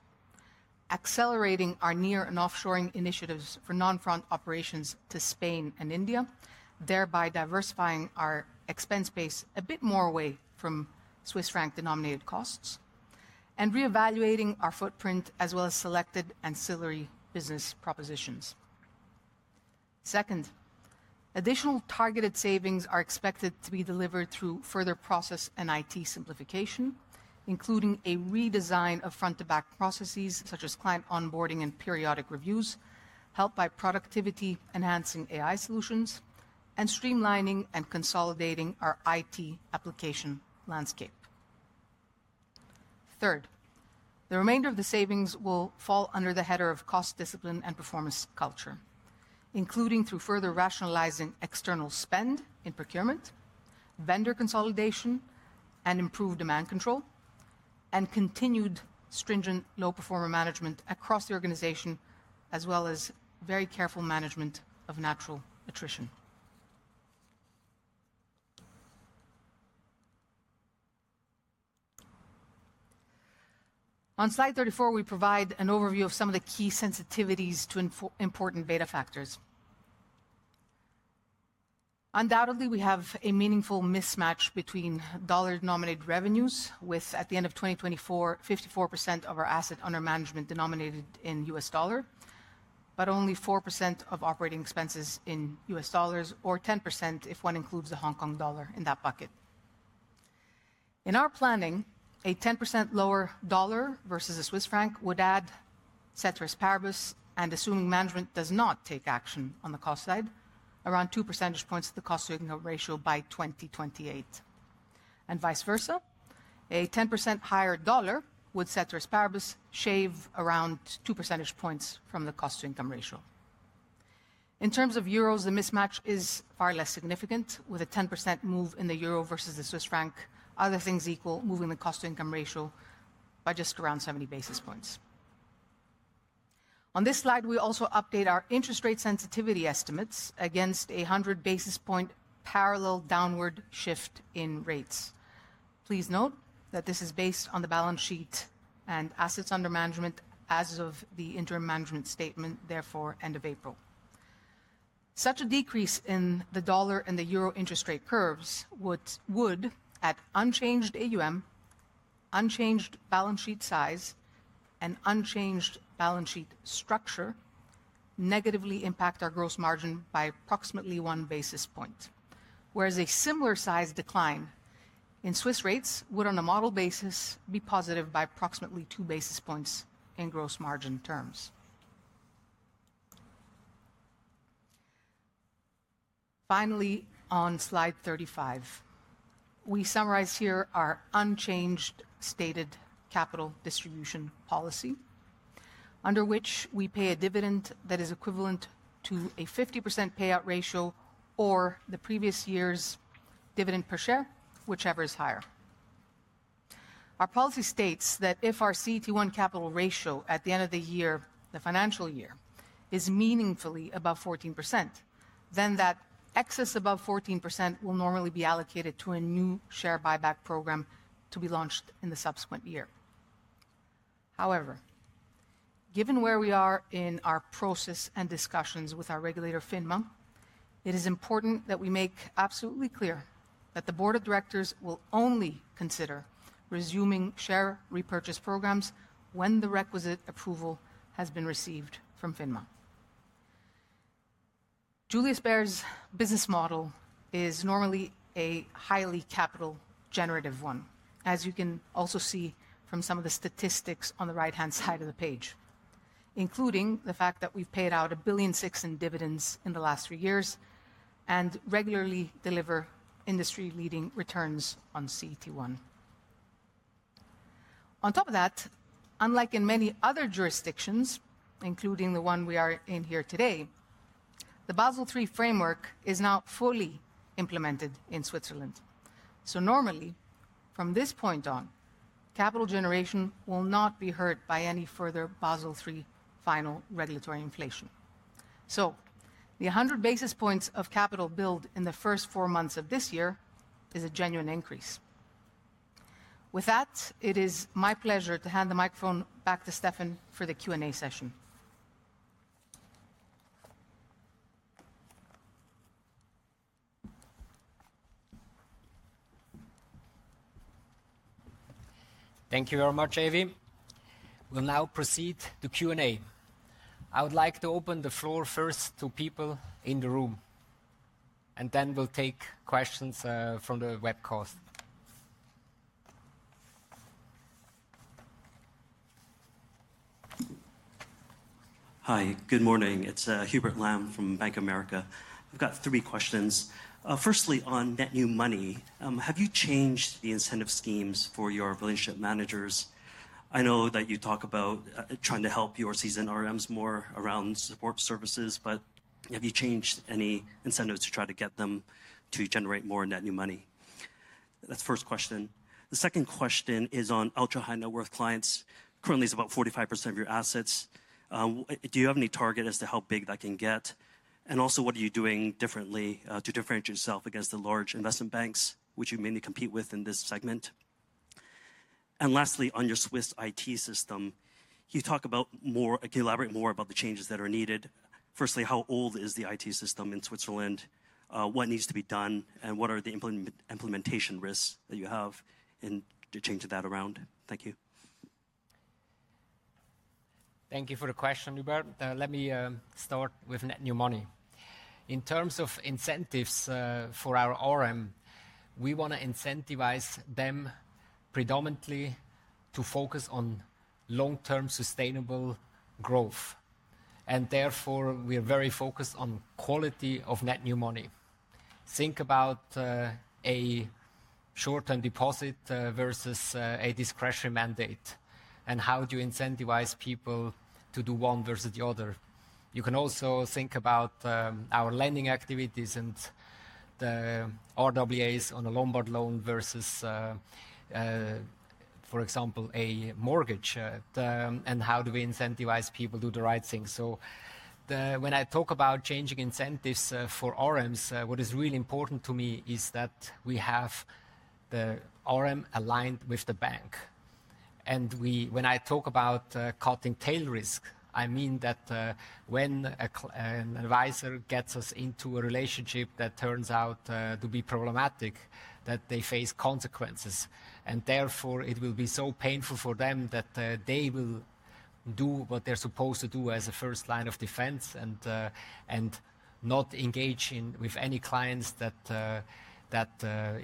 accelerating our near and offshoring initiatives for non-front operations to Spain and India, thereby diversifying our expense base a bit more away from Swiss franc denominated costs, and reevaluating our footprint as well as selected ancillary business propositions. Second, additional targeted savings are expected to be delivered through further process and IT simplification, including a redesign of front-to-back processes such as client onboarding and periodic reviews, helped by productivity enhancing AI solutions, and streamlining and consolidating our IT application landscape. Third, the remainder of the savings will fall under the header of cost discipline and performance culture, including through further rationalizing external spend in procurement, vendor consolidation, and improved demand control, and continued stringent low-performer management across the organization, as well as very careful management of natural attrition. On slide 34, we provide an overview of some of the key sensitivities to important beta factors. Undoubtedly, we have a meaningful mismatch between dollar-denominated revenues with, at the end of 2024, 54% of our assets under management denominated in US dollar, but only 4% of operating expenses in US dollars, or 10% if one includes the Hong Kong dollar in that bucket. In our planning, a 10% lower dollar versus a Swiss franc would add, ceteris paribus, and assuming management does not take action on the cost side, around 2 percentage points of the cost-to-income ratio by 2028. Conversely, a 10% higher dollar would, ceteris paribus, shave around 2 percentage points from the cost-to-income ratio. In terms of euros, the mismatch is far less significant, with a 10% move in the euro versus the Swiss franc, other things equal, moving the cost-to-income ratio by just around 70 basis points. On this slide, we also update our interest rate sensitivity estimates against a 100 basis point parallel downward shift in rates. Please note that this is based on the balance sheet and assets under management as of the interim management statement, therefore end of April. Such a decrease in the dollar and the euro interest rate curves would, at unchanged AUM, unchanged balance sheet size, and unchanged balance sheet structure, negatively impact our gross margin by approximately one basis point, whereas a similar size decline in Swiss rates would, on a model basis, be positive by approximately two basis points in gross margin terms. Finally, on slide 35, we summarize here our unchanged stated capital distribution policy, under which we pay a dividend that is equivalent to a 50% payout ratio or the previous year's dividend per share, whichever is higher. Our policy states that if our CET1 capital ratio at the end of the year, the financial year, is meaningfully above 14%, then that excess above 14% will normally be allocated to a new share buyback program to be launched in the subsequent year. However, given where we are in our process and discussions with our regulator, FINMA, it is important that we make absolutely clear that the Board of Directors will only consider resuming share repurchase programs when the requisite approval has been received from FINMA. Julius Bär's business model is normally a highly capital generative one, as you can also see from some of the statistics on the right-hand side of the page, including the fact that we've paid out 1.6 billion in dividends in the last three years and regularly deliver industry-leading returns on CET1. On top of that, unlike in many other jurisdictions, including the one we are in here today, the Basel III framework is now fully implemented in Switzerland. Normally, from this point on, capital generation will not be hurt by any further Basel III final regulatory inflation. The 100 basis points of capital billed in the first four months of this year is a genuine increase. With that, it is my pleasure to hand the microphone back to Stefan for the Q&A session. Thank you very much, Evie. We'll now proceed to Q&A. I would like to open the floor first to people in the room, and then we'll take questions from the webcast. Hi, good morning. It's Hubert Lam from Bank of America. I've got three questions. Firstly, on net new money, have you changed the incentive schemes for your relationship managers? I know that you talk about trying to help your seasoned RMs more around support services, but have you changed any incentives to try to get them to generate more net new money? That's the first question. The second question is on ultra-high net worth clients. Currently, it's about 45% of your assets. Do you have any target as to how big that can get? Also, what are you doing differently to differentiate yourself against the large investment banks, which you mainly compete with in this segment? Lastly, on your Swiss IT system, can you talk about more, elaborate more about the changes that are needed? Firstly, how old is the IT system in Switzerland? What needs to be done? What are the implementation risks that you have to change that around? Thank you. Thank you for the question, Hubert. Let me start with net new money. In terms of incentives for our RM, we want to incentivize them predominantly to focus on long-term sustainable growth. We are very focused on quality of net new money. Think about a short-term deposit versus a discretionary mandate, and how do you incentivize people to do one versus the other? You can also think about our lending activities and the RWAs on a lombard loan versus, for example, a mortgage, and how do we incentivize people to do the right thing? When I talk about changing incentives for RMs, what is really important to me is that we have the RM aligned with the bank. When I talk about cutting tail risk, I mean that when an advisor gets us into a relationship that turns out to be problematic, that they face consequences. Therefore, it will be so painful for them that they will do what they're supposed to do as a first line of defense and not engage with any clients that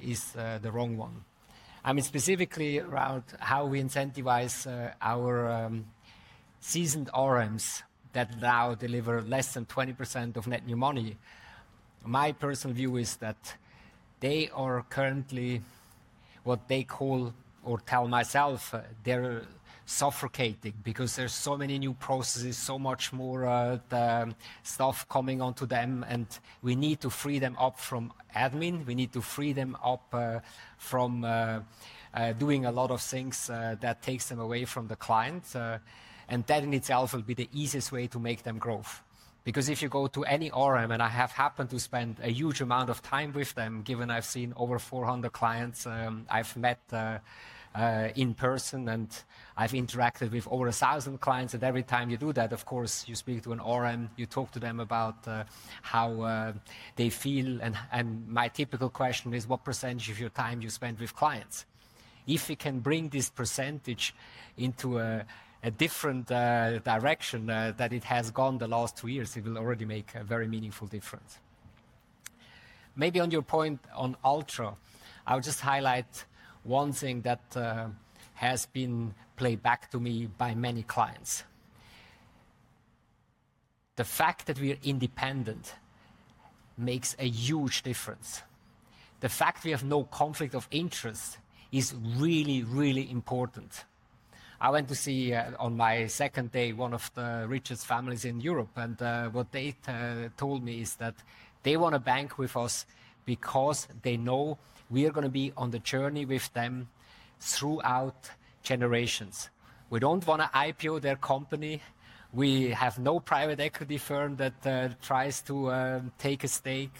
is the wrong one. I mean specifically around how we incentivize our seasoned RMs that now deliver less than 20% of net new money. My personal view is that they are currently what they call, or tell myself, they're suffocating because there's so many new processes, so much more stuff coming onto them, and we need to free them up from admin. We need to free them up from doing a lot of things that take them away from the client. That in itself will be the easiest way to make them growth. Because if you go to any RM, and I have happened to spend a huge amount of time with them, given I've seen over 400 clients I've met in person and I've interacted with over 1,000 clients, and every time you do that, of course, you speak to an RM, you talk to them about how they feel, and my typical question is, what percentage of your time you spend with clients? If we can bring this percentage into a different direction that it has gone the last two years, it will already make a very meaningful difference. Maybe on your point on ultra, I'll just highlight one thing that has been played back to me by many clients. The fact that we are independent makes a huge difference. The fact we have no conflict of interest is really, really important. I went to see on my second day one of the richest families in Europe, and what they told me is that they want a bank with us because they know we are going to be on the journey with them throughout generations. We do not want to IPO their company. We have no private equity firm that tries to take a stake.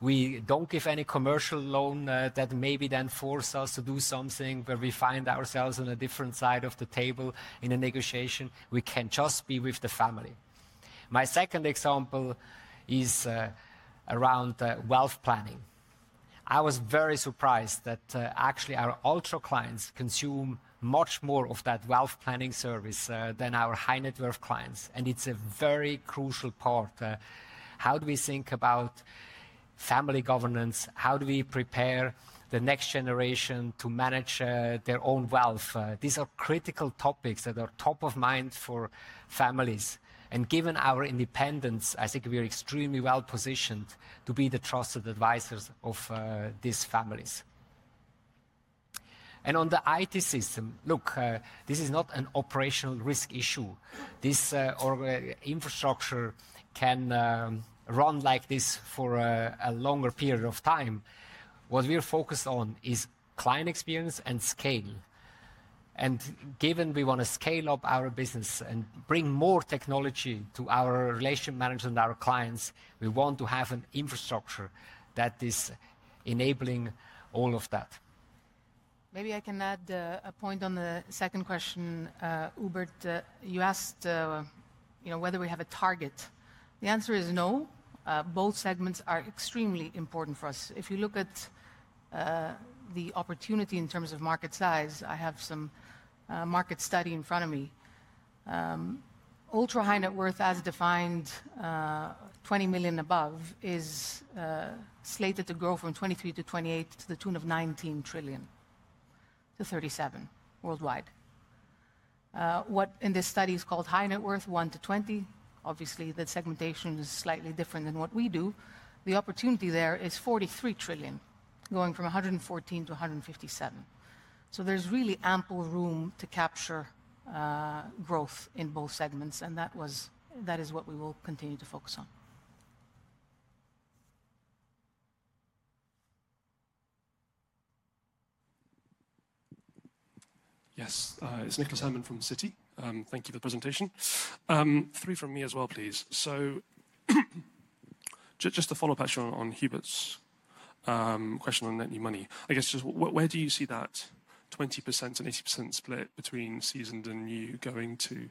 We do not give any commercial loan that maybe then force us to do something where we find ourselves on a different side of the table in a negotiation. We can just be with the family. My second example is around wealth planning. I was very surprised that actually our ultra clients consume much more of that wealth planning service than our high net worth clients. It is a very crucial part. How do we think about family governance? How do we prepare the next generation to manage their own wealth? These are critical topics that are top of mind for families. Given our independence, I think we are extremely well positioned to be the trusted advisors of these families. On the IT system, look, this is not an operational risk issue. This infrastructure can run like this for a longer period of time. What we are focused on is client experience and scale. Given we want to scale up our business and bring more technology to our relationship managers and our clients, we want to have an infrastructure that is enabling all of that. Maybe I can add a point on the second question, Hubert. You asked whether we have a target. The answer is no. Both segments are extremely important for us. If you look at the opportunity in terms of market size, I have some market study in front of me. Ultra high net worth, as defined, $20 million and above, is slated to grow from 23-28 to the tune of 19 trillion-37 trillion worldwide. What in this study is called high net worth, 1 million-20 million, obviously the segmentation is slightly different than what we do. The opportunity there is 43 trillion, going from 114-157. There is really ample room to capture growth in both segments, and that is what we will continue to focus on. Yes, it is Nicholas Herman from Citi. Thank you for the presentation. Three from me as well, please. Just a follow-up question on Hubert's question on net new money. I guess just where do you see that 20% and 80% split between seasoned and new going to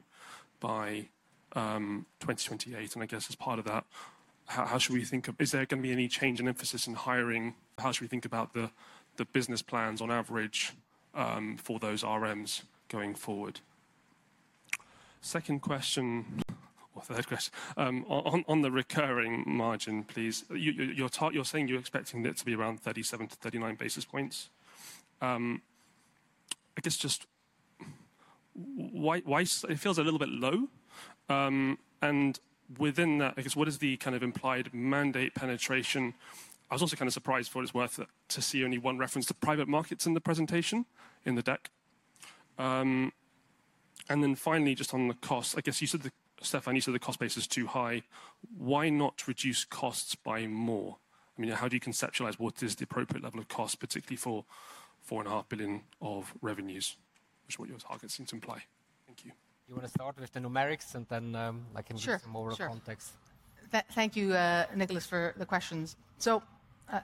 by 2028? I guess as part of that, how should we think of, is there going to be any change in emphasis in hiring? How should we think about the business plans on average for those RMs going forward? Second question, or third question, on the recurring margin, please. You're saying you're expecting it to be around 37-39 basis points. I guess just why it feels a little bit low. And within that, I guess what is the kind of implied mandate penetration? I was also kind of surprised, for what it's worth, to see only one reference to private markets in the presentation, in the deck. Finally, just on the cost, I guess you said, Stefan, you said the cost base is too high. Why not reduce costs by more? I mean, how do you conceptualize what is the appropriate level of cost, particularly for 4.5 billion of revenues, which is what your targets seem to imply? Thank you. You want to start with the numerics and then I can give some more context. Thank you, Nicholas, for the questions.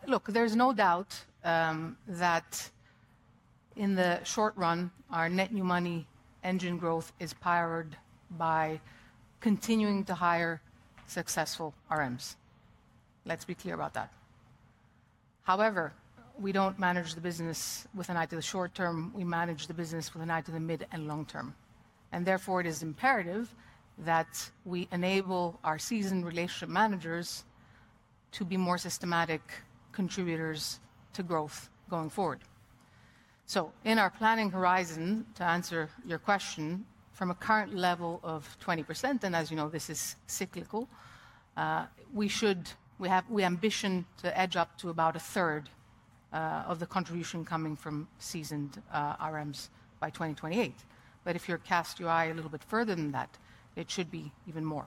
Look, there is no doubt that in the short run, our net new money engine growth is powered by continuing to hire successful RMs. Let's be clear about that. However, we do not manage the business with an eye to the short term. We manage the business with an eye to the mid and long term. Therefore, it is imperative that we enable our seasoned relationship managers to be more systematic contributors to growth going forward. In our planning horizon, to answer your question, from a current level of 20%, and as you know, this is cyclical, we ambition to edge up to about a third of the contribution coming from seasoned RMs by 2028. If you cast your eye a little bit further than that, it should be even more.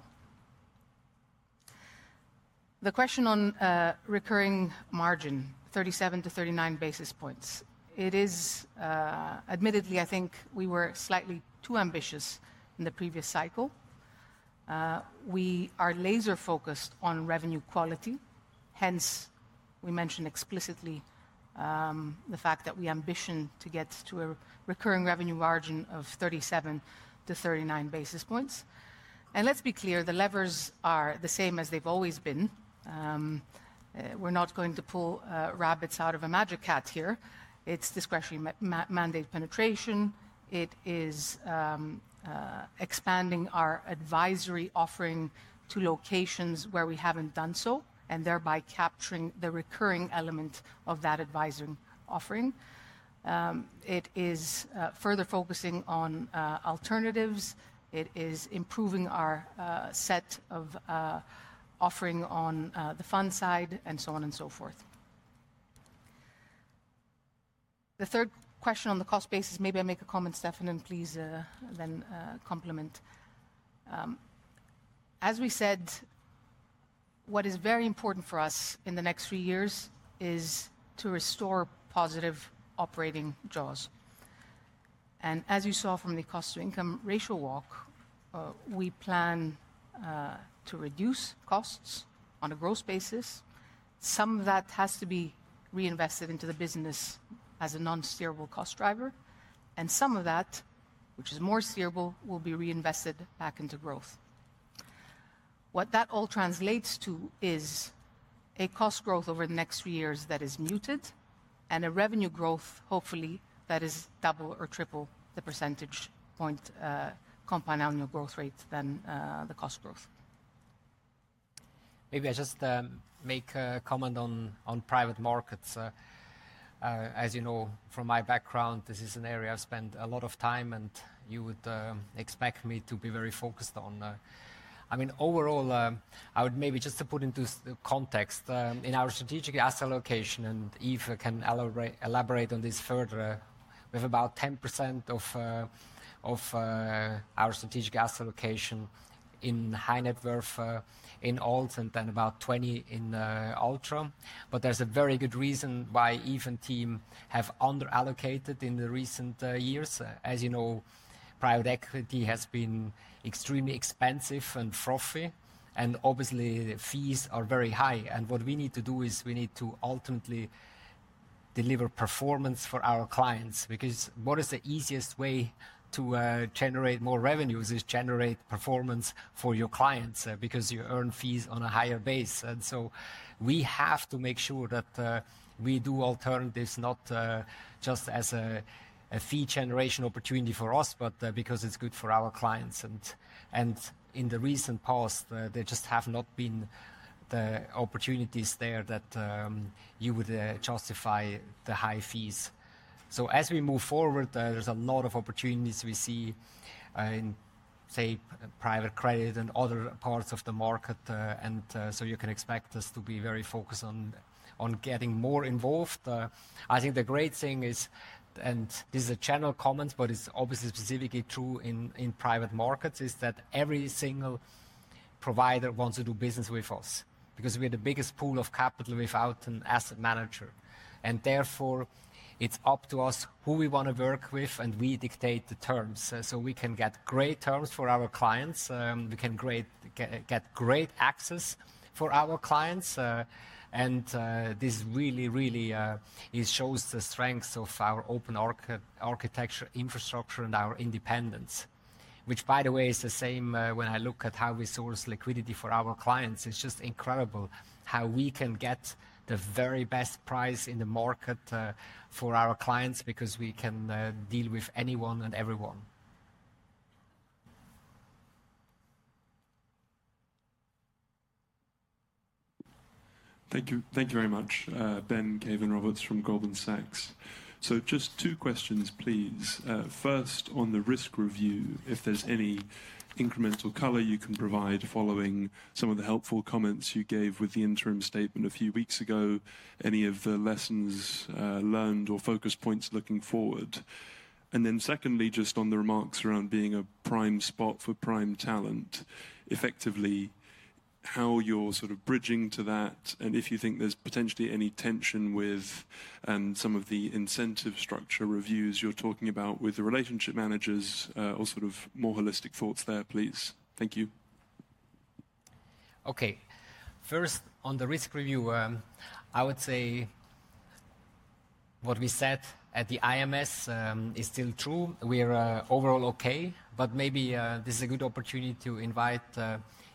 The question on recurring margin, 37-39 basis points, it is admittedly, I think we were slightly too ambitious in the previous cycle. We are laser-focused on revenue quality. Hence, we mentioned explicitly the fact that we ambition to get to a recurring revenue margin of 37-39 basis points. Let's be clear, the levers are the same as they've always been. We're not going to pull rabbits out of a magic hat here. It's discretionary mandate penetration. It is expanding our advisory offering to locations where we haven't done so, and thereby capturing the recurring element of that advisory offering. It is further focusing on alternatives. It is improving our set of offering on the fund side and so on and so forth. The third question on the cost basis, maybe I make a comment, Stefan, and please then complement. As we said, what is very important for us in the next three years is to restore positive operating jaws. As you saw from the cost to income ratio walk, we plan to reduce costs on a gross basis. Some of that has to be reinvested into the business as a non-steerable cost driver. Some of that, which is more steerable, will be reinvested back into growth. What that all translates to is a cost growth over the next three years that is muted and a revenue growth, hopefully, that is double or triple the percentage point compound annual growth rate than the cost growth. Maybe I just make a comment on private markets. As you know, from my background, this is an area I've spent a lot of time, and you would expect me to be very focused on. I mean, overall, I would maybe just to put into context, in our strategic asset allocation, and Yves can elaborate on this further. We have about 10% of our strategic asset allocation in high net worth in alt and then about 20 in ultra. But there's a very good reason why Yves and team have underallocated in the recent years. As you know, private equity has been extremely expensive and frothy, and obviously, the fees are very high. What we need to do is we need to ultimately deliver performance for our clients. Because what is the easiest way to generate more revenues is to generate performance for your clients because you earn fees on a higher base. We have to make sure that we do alternatives, not just as a fee generation opportunity for us, but because it is good for our clients. In the recent past, there just have not been the opportunities there that you would justify the high fees. As we move forward, there are a lot of opportunities we see in, say, private credit and other parts of the market. You can expect us to be very focused on getting more involved. I think the great thing is, and this is a channel comment, but it is obviously specifically true in private markets, is that every single provider wants to do business with us because we are the biggest pool of capital without an asset manager. Therefore, it is up to us who we want to work with, and we dictate the terms. We can get great terms for our clients. We can get great access for our clients. This really, really shows the strengths of our open architecture infrastructure and our independence, which, by the way, is the same when I look at how we source liquidity for our clients. It is just incredible how we can get the very best price in the market for our clients because we can deal with anyone and everyone. Thank you very much, Ben Caven Roberts from Goldman Sachs. Just two questions, please. First, on the risk review, if there's any incremental color you can provide following some of the helpful comments you gave with the interim statement a few weeks ago, any of the lessons learned or focus points looking forward. Secondly, just on the remarks around being a prime spot for prime talent, effectively, how you're sort of bridging to that, and if you think there's potentially any tension with some of the incentive structure reviews you're talking about with the relationship managers, or sort of more holistic thoughts there, please. Thank you. Okay. First, on the risk review, I would say what we said at the IMS is still true. We are overall okay, but maybe this is a good opportunity to invite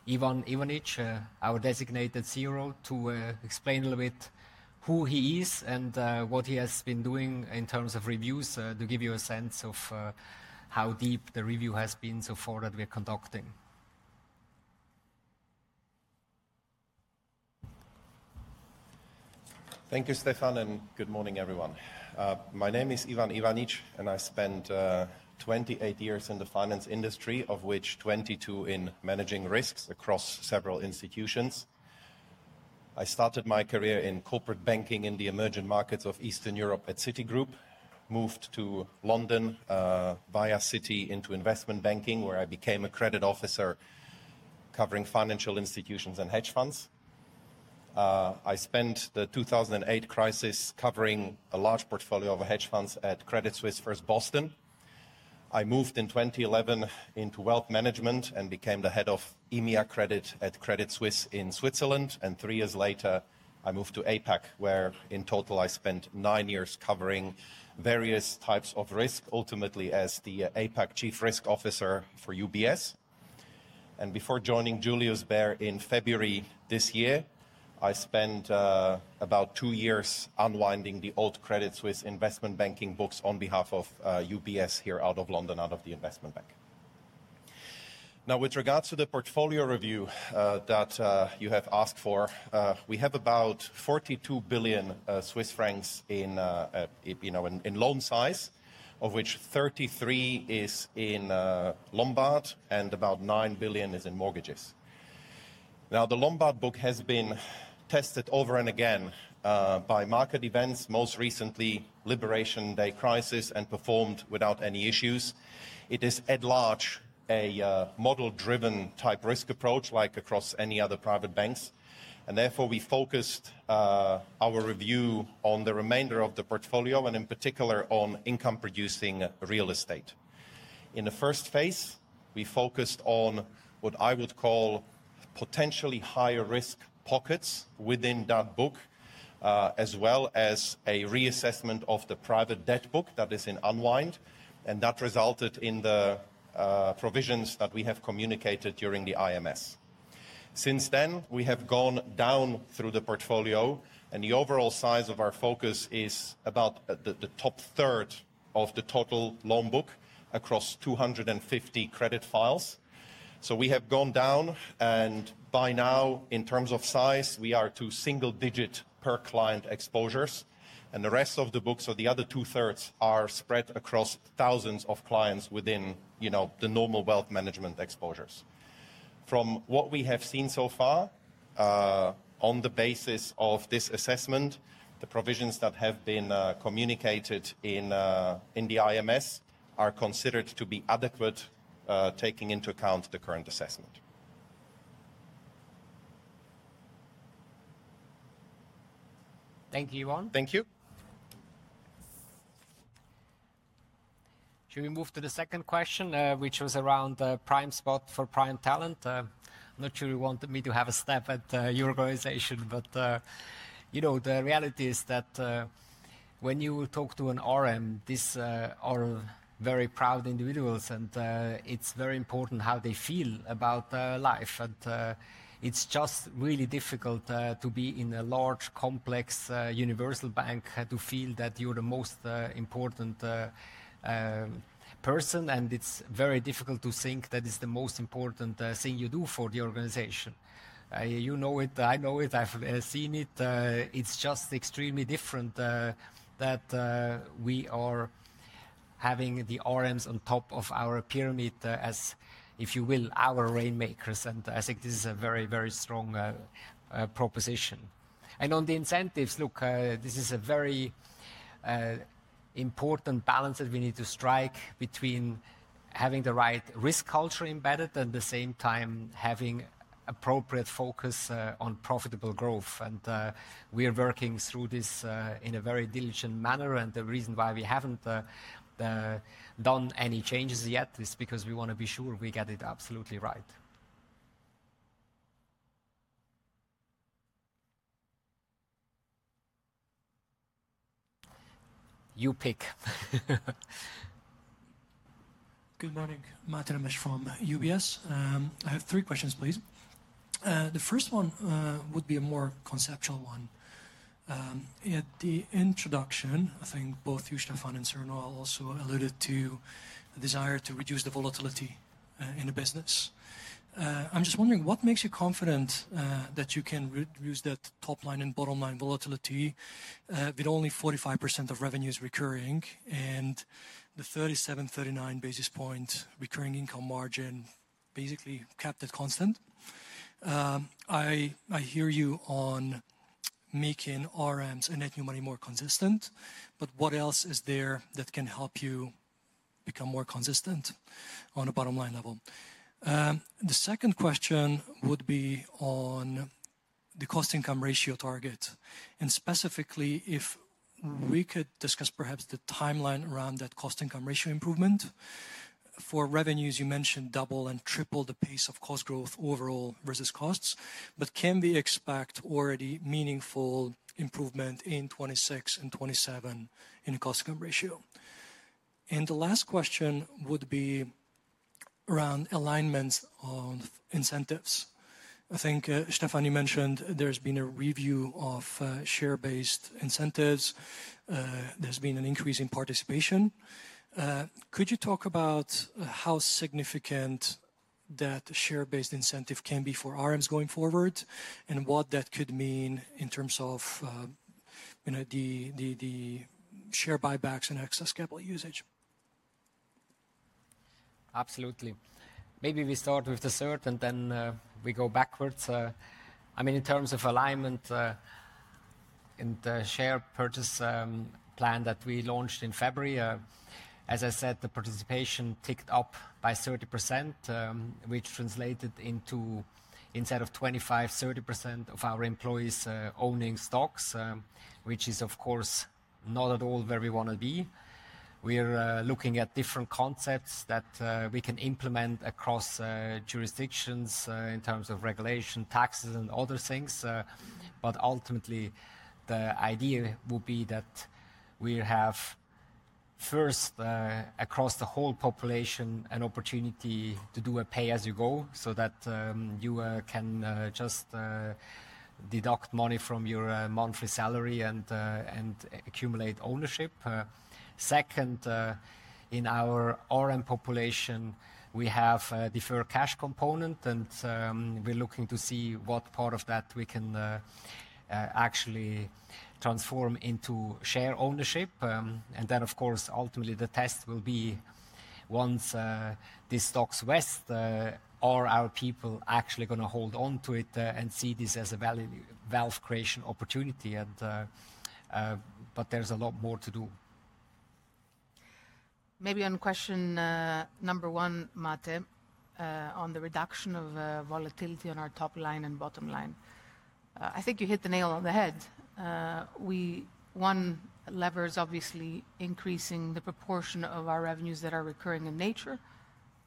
Ivan Ivanich, our designated Chief Risk Officer, to explain a little bit who she is and what she has been doing in terms of reviews to give you a sense of how deep the review has been so far that we're conducting. Thank you, Stefan, and good morning, everyone. My name is Ivan Ivanic, and I spent 28 years in the finance industry, of which 22 in managing risks across several institutions. I started my career in corporate banking in the emerging markets of Eastern Europe at Citigroup, moved to London via Citi into investment banking, where I became a credit officer covering financial institutions and hedge funds. I spent the 2008 crisis covering a large portfolio of hedge funds at Credit Suisse. I moved in 2011 into wealth management and became the Head of EMEA Credit at Credit Suisse in Switzerland. Three years later, I moved to APAC, where in total I spent nine years covering various types of risk, ultimately as the APAC Chief Risk Officer for UBS. Before joining Julius Bär in February this year, I spent about two years unwinding the old Credit Suisse investment banking books on behalf of UBS here out of London, out of the investment bank. Now, with regards to the portfolio review that you have asked for, we have about 42 billion Swiss francs in loan size, of which 33 billion is in Lombard and about 9 billion is in mortgages. The Lombard book has been tested over and again by market events, most recently Liberation Day crisis, and performed without any issues. It is at large a model-driven type risk approach, like across any other private banks. Therefore, we focused our review on the remainder of the portfolio and in particular on income-producing real estate. In the first phase, we focused on what I would call potentially higher risk pockets within that book, as well as a reassessment of the private debt book that is in unwind. That resulted in the provisions that we have communicated during the IMS. Since then, we have gone down through the portfolio, and the overall size of our focus is about the top third of the total loan book across 250 credit files. We have gone down, and by now, in terms of size, we are to single-digit per client exposures. The rest of the books, or the other two-thirds, are spread across thousands of clients within the normal wealth management exposures. From what we have seen so far, on the basis of this assessment, the provisions that have been communicated in the IMS are considered to be adequate, taking into account the current assessment. Thank you, Ivan. Thank you. Should we move to the second question, which was around the prime spot for prime talent? I'm not sure you wanted me to have a stab at your organization, but the reality is that when you talk to an RM, these are very proud individuals, and it's very important how they feel about life. It's just really difficult to be in a large, complex universal bank to feel that you're the most important person. It's very difficult to think that it's the most important thing you do for the organization. You know it, I know it, I've seen it. It's just extremely different that we are having the RMs on top of our pyramid as, if you will, our rainmakers. I think this is a very, very strong proposition. On the incentives, look, this is a very important balance that we need to strike between having the right risk culture embedded and at the same time having appropriate focus on profitable growth. We are working through this in a very diligent manner. The reason why we have not done any changes yet is because we want to be sure we get it absolutely right. You pick. Good morning, [Mateo Ramesh] from UBS. I have three questions, please. The first one would be a more conceptual one. At the introduction, I think both you, Stefan, and Sir Noel also alluded to the desire to reduce the volatility in the business. I'm just wondering, what makes you confident that you can reduce that top line and bottom line volatility with only 45% of revenues recurring and the 37-39 basis points recurring income margin basically kept at constant? I hear you on making RMs and net new money more consistent, but what else is there that can help you become more consistent on a bottom line level? The second question would be on the cost-income ratio target, and specifically if we could discuss perhaps the timeline around that cost-income ratio improvement. For revenues, you mentioned double and triple the pace of cost growth overall versus costs, but can we expect already meaningful improvement in 2026 and 2027 in cost-income ratio? The last question would be around alignments of incentives. I think Stefan you mentioned there's been a review of share-based incentives. There's been an increase in participation. Could you talk about how significant that share-based incentive can be for RMs going forward and what that could mean in terms of the share buybacks and excess capital usage? Absolutely. Maybe we start with the third and then we go backwards. I mean, in terms of alignment and the share purchase plan that we launched in February, as I said, the participation ticked up by 30%, which translated into instead of 25%, 30% of our employees owning stocks, which is, of course, not at all where we want to be. We are looking at different concepts that we can implement across jurisdictions in terms of regulation, taxes, and other things. Ultimately, the idea would be that we have first across the whole population an opportunity to do a pay as you go so that you can just deduct money from your monthly salary and accumulate ownership. Second, in our RM population, we have a deferred cash component, and we're looking to see what part of that we can actually transform into share ownership. Of course, ultimately, the test will be once these stocks vest, are our people actually going to hold on to it and see this as a value creation opportunity. There is a lot more to do. Maybe on question number one, Mate, on the reduction of volatility on our top line and bottom line, I think you hit the nail on the head. One lever is obviously increasing the proportion of our revenues that are recurring in nature.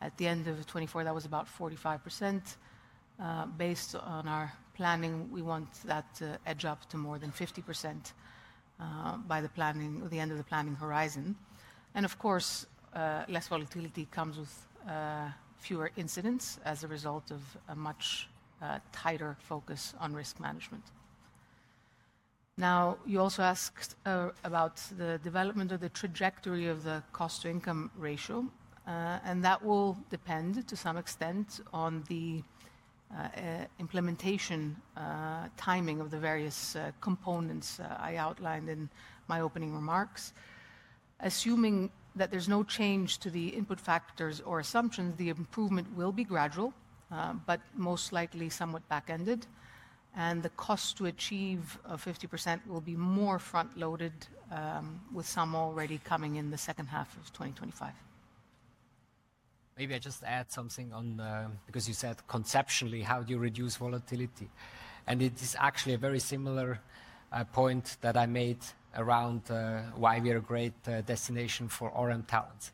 At the end of 2024, that was about 45%. Based on our planning, we want that to edge up to more than 50% by the end of the planning horizon. Of course, less volatility comes with fewer incidents as a result of a much tighter focus on risk management. You also asked about the development of the trajectory of the cost-income ratio, and that will depend to some extent on the implementation timing of the various components I outlined in my opening remarks. Assuming that there is no change to the input factors or assumptions, the improvement will be gradual, but most likely somewhat back-ended. The cost to achieve 50% will be more front-loaded with some already coming in the second half of 2025. Maybe I just add something on because you said conceptually, how do you reduce volatility? It is actually a very similar point that I made around why we are a great destination for RM talents.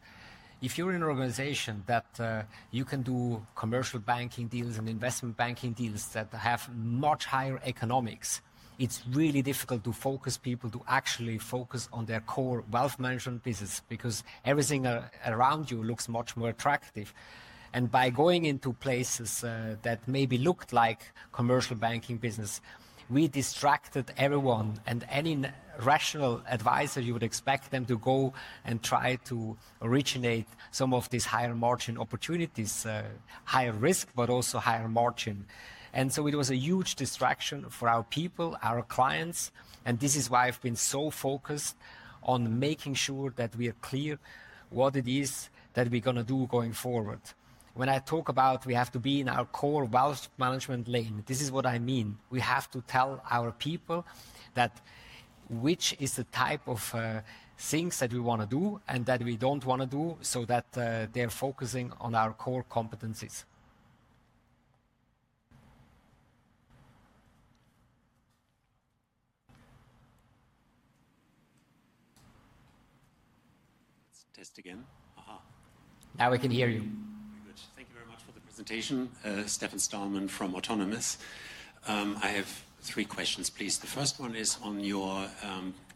If you're in an organization that you can do commercial banking deals and investment banking deals that have much higher economics, it's really difficult to focus people to actually focus on their core wealth management business because everything around you looks much more attractive. By going into places that maybe looked like commercial banking business, we distracted everyone and any rational advisor you would expect them to go and try to originate some of these higher margin opportunities, higher risk, but also higher margin. It was a huge distraction for our people, our clients. This is why I've been so focused on making sure that we are clear what it is that we're going to do going forward. When I talk about we have to be in our core wealth management lane, this is what I mean. We have to tell our people which is the type of things that we want to do and that we do not want to do so that they are focusing on our core competencies. Test again. Now we can hear you. Very good. Thank you very much for the presentation. Stefan Stalman from Autonomous. I have three questions, please. The first one is on your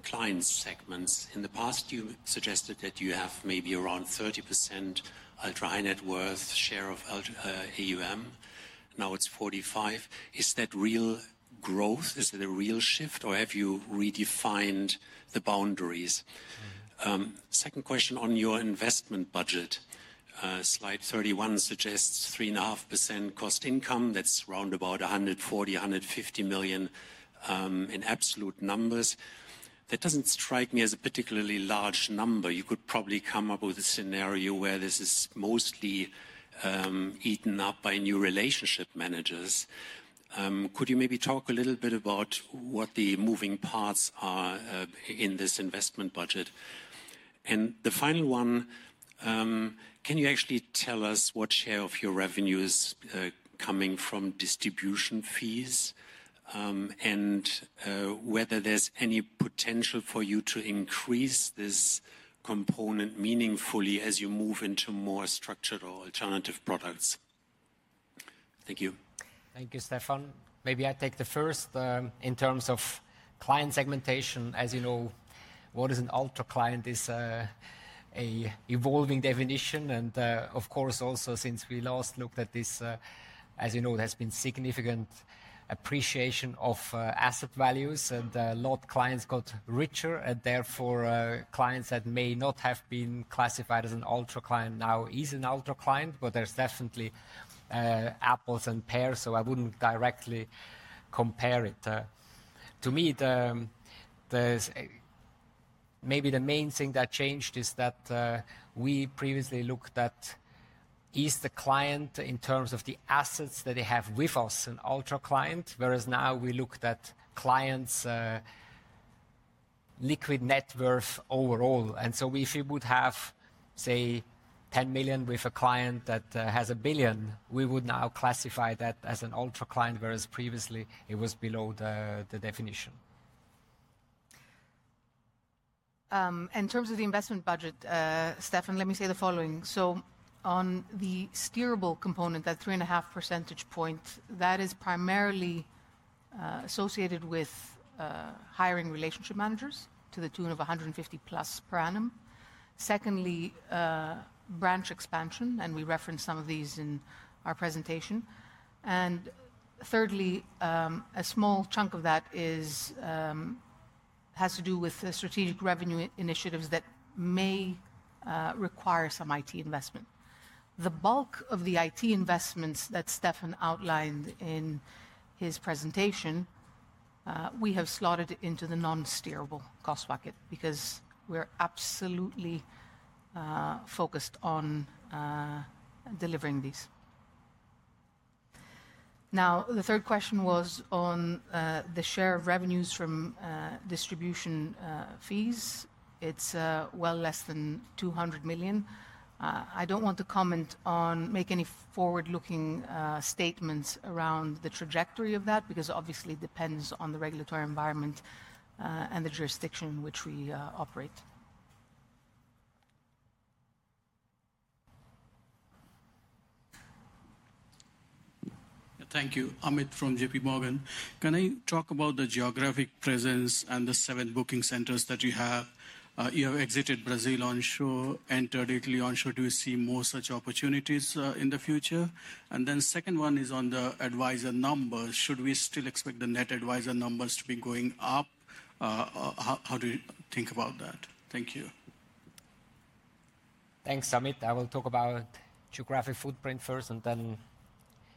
client segments. In the past, you suggested that you have maybe around 30% ultra-high net worth share of AUM. Now it is 45%. Is that real growth? Is it a real shift, or have you redefined the boundaries? Second question on your investment budget. Slide 31 suggests 3.5% cost-income. That is around CHF 140 million-CHF 150 million in absolute numbers. That does not strike me as a particularly large number. You could probably come up with a scenario where this is mostly eaten up by new relationship managers. Could you maybe talk a little bit about what the moving parts are in this investment budget? The final one, can you actually tell us what share of your revenue is coming from distribution fees and whether there's any potential for you to increase this component meaningfully as you move into more structured or alternative products? Thank you. Thank you, Stefan. Maybe I take the first in terms of client segmentation. As you know, what is an ultra-client is an evolving definition. Of course, also since we last looked at this, as you know, there has been significant appreciation of asset values, and a lot of clients got richer. Therefore, clients that may not have been classified as an ultra-client now is an ultra-client, but there's definitely apples and pears, so I would not directly compare it. To me, maybe the main thing that changed is that we previously looked at is the client in terms of the assets that they have with us, an ultra-client, whereas now we looked at clients' liquid net worth overall. If you would have, say, 10 million with a client that has 1 billion, we would now classify that as an ultra-client, whereas previously it was below the definition. In terms of the investment budget, Stefan, let me say the following. On the steerable component, that 3.5 percentage point, that is primarily associated with hiring relationship managers to the tune of 150 plus per annum. Secondly, branch expansion, and we referenced some of these in our presentation. Thirdly, a small chunk of that has to do with strategic revenue initiatives that may require some IT investment. The bulk of the IT investments that Stefan outlined in his presentation, we have slotted into the non-steerable cost bucket because we're absolutely focused on delivering these. Now, the third question was on the share of revenues from distribution fees. It's well less than 200 million. I don't want to comment on or make any forward-looking statements around the trajectory of that because obviously it depends on the regulatory environment and the jurisdiction in which we operate. Thank you. Amit from J.P. Morgan. Can I talk about the geographic presence and the seven booking centers that you have? You have exited Brazil onshore, entered Italy onshore. Do you see more such opportunities in the future? And then second one is on the advisor numbers. Should we still expect the net advisor numbers to be going up? How do you think about that? Thank you. Thanks, Amit. I will talk about geographic footprint first and then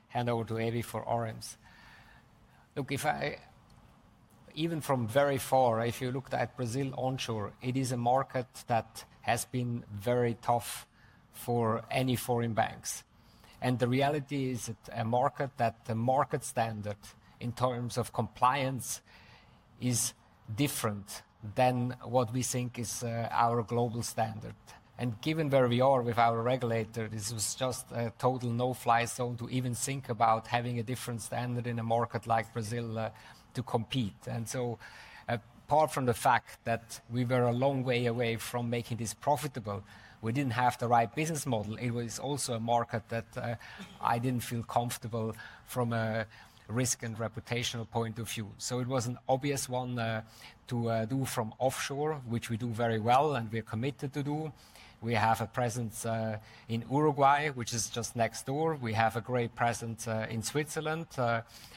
hand over to Evie for RMs. Look, even from very far, if you looked at Brazil onshore, it is a market that has been very tough for any foreign banks. The reality is a market that the market standard in terms of compliance is different than what we think is our global standard. Given where we are with our regulator, this was just a total no-fly zone to even think about having a different standard in a market like Brazil to compete. Apart from the fact that we were a long way away from making this profitable, we did not have the right business model. It was also a market that I did not feel comfortable from a risk and reputational point of view. It was an obvious one to do from offshore, which we do very well and we are committed to do. We have a presence in Uruguay, which is just next door. We have a great presence in Switzerland,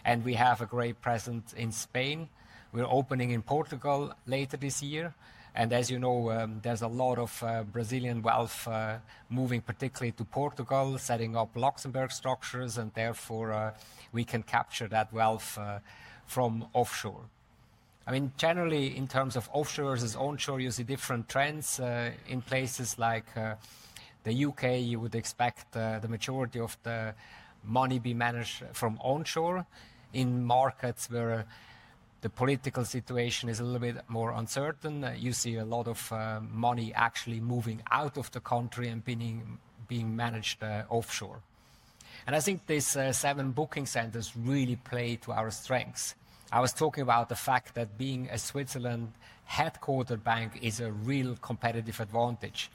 and we have a great presence in Spain. We are opening in Portugal later this year. As you know, there is a lot of Brazilian wealth moving particularly to Portugal, setting up Luxembourg structures, and therefore we can capture that wealth from offshore. I mean, generally in terms of offshore versus onshore, you see different trends. In places like the U.K., you would expect the majority of the money to be managed from onshore. In markets where the political situation is a little bit more uncertain, you see a lot of money actually moving out of the country and being managed offshore. I think these seven booking centers really play to our strengths. I was talking about the fact that being a Switzerland headquartered bank is a real competitive advantage,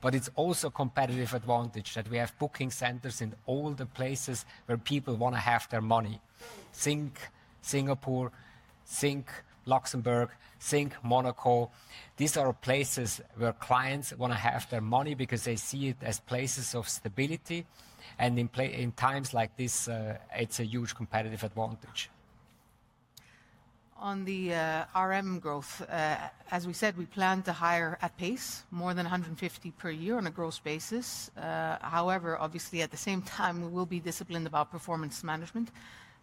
but it's also a competitive advantage that we have booking centers in all the places where people want to have their money. Think Singapore, think Luxembourg, think Monaco. These are places where clients want to have their money because they see it as places of stability. In times like this, it's a huge competitive advantage. On the RM growth, as we said, we plan to hire at pace, more than 150 per year on a gross basis. However, obviously, at the same time, we will be disciplined about performance management,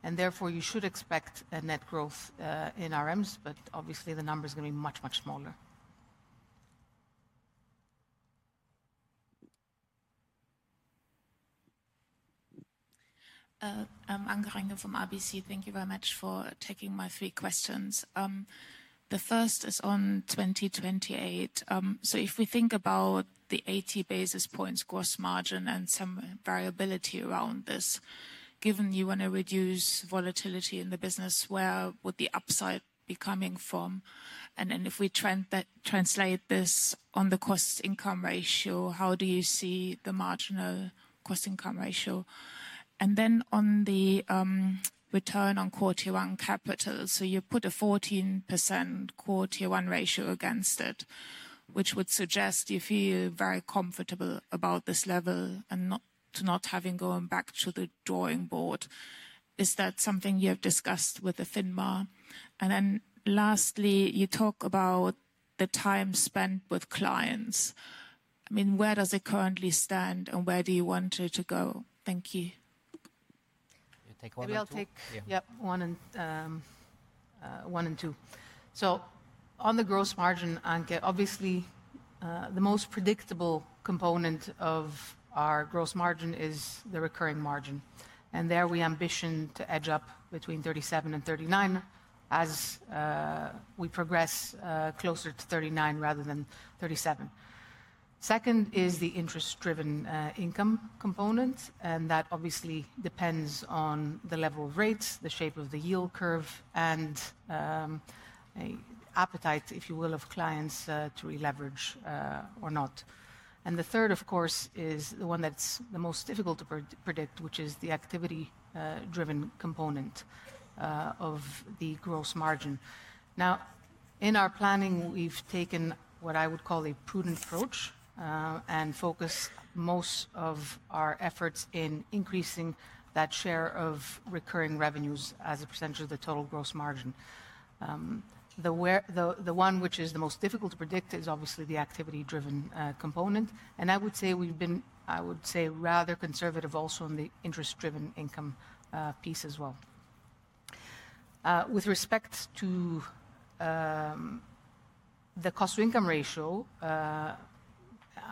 and therefore you should expect a net growth in RMs, but obviously the number is going to be much, much smaller. I'm Anke Reingen from RBC. Thank you very much for taking my three questions. The first is on 2028. If we think about the 80 basis points gross margin and some variability around this, given you want to reduce volatility in the business, where would the upside be coming from? If we translate this on the cost income ratio, how do you see the marginal cost income ratio? On the return on core tier one capital, you put a 14% core tier one ratio against it, which would suggest you feel very comfortable about this level and not having gone back to the drawing board. Is that something you have discussed with FINMA? Lastly, you talk about the time spent with clients. I mean, where does it currently stand and where do you want it to go? Thank you. Maybe I'll take one and two. On the gross margin, Anke, obviously the most predictable component of our gross margin is the recurring margin. There we ambition to edge up between 37%-39% as we progress closer to 39% rather than 37%. Second is the interest-driven income component, and that obviously depends on the level of rates, the shape of the yield curve, and appetite, if you will, of clients to releverage or not. The third, of course, is the one that is the most difficult to predict, which is the activity-driven component of the gross margin. In our planning, we have taken what I would call a prudent approach and focused most of our efforts in increasing that share of recurring revenues as a percentage of the total gross margin. The one which is the most difficult to predict is obviously the activity-driven component. I would say we've been, I would say, rather conservative also on the interest-driven income piece as well. With respect to the cost to income ratio,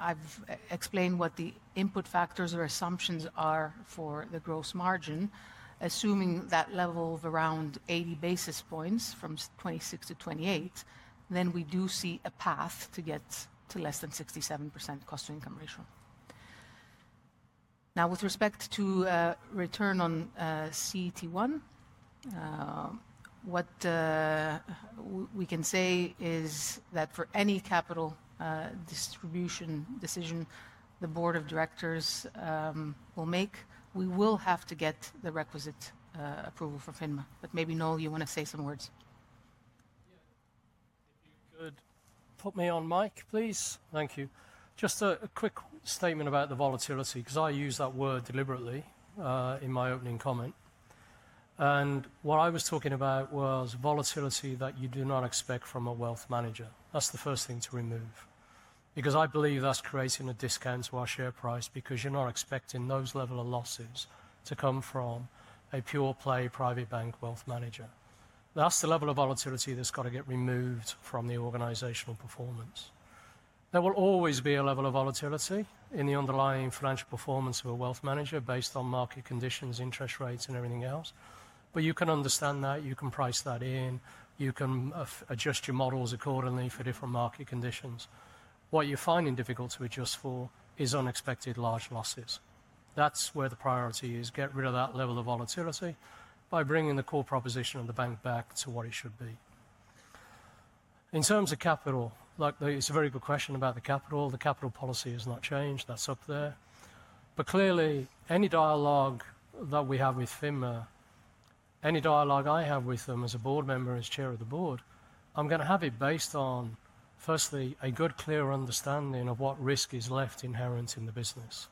I've explained what the input factors or assumptions are for the gross margin, assuming that level of around 80 basis points from 2026 to 2028, then we do see a path to get to less than 67% cost to income ratio. Now, with respect to return on CET1, what we can say is that for any capital distribution decision the board of directors will make, we will have to get the requisite approval from FINMA. Maybe, Noel, you want to say some words. If you could put me on mic please. Thank you. Just a quick statement about the volatility because I use that word deliberately in my opening comment. What I was talking about was volatility that you do not expect from a wealth manager. That is the first thing to remove because I believe that is creating a discount to our share price because you are not expecting those levels of losses to come from a pure-play private bank wealth manager. That is the level of volatility that has to get removed from the organizational performance. There will always be a level of volatility in the underlying financial performance of a wealth manager based on market conditions, interest rates, and everything else. You can understand that. You can price that in. You can adjust your models accordingly for different market conditions. What you are finding difficult to adjust for is unexpected large losses. That is where the priority is. Get rid of that level of volatility by bringing the core proposition of the bank back to what it should be. In terms of capital, it's a very good question about the capital. The capital policy has not changed. That's up there. Clearly, any dialogue that we have with FINMA, any dialogue I have with them as a board member, as Chair of the Board, I'm going to have it based on firstly a good, clear understanding of what risk is left inherent in the business.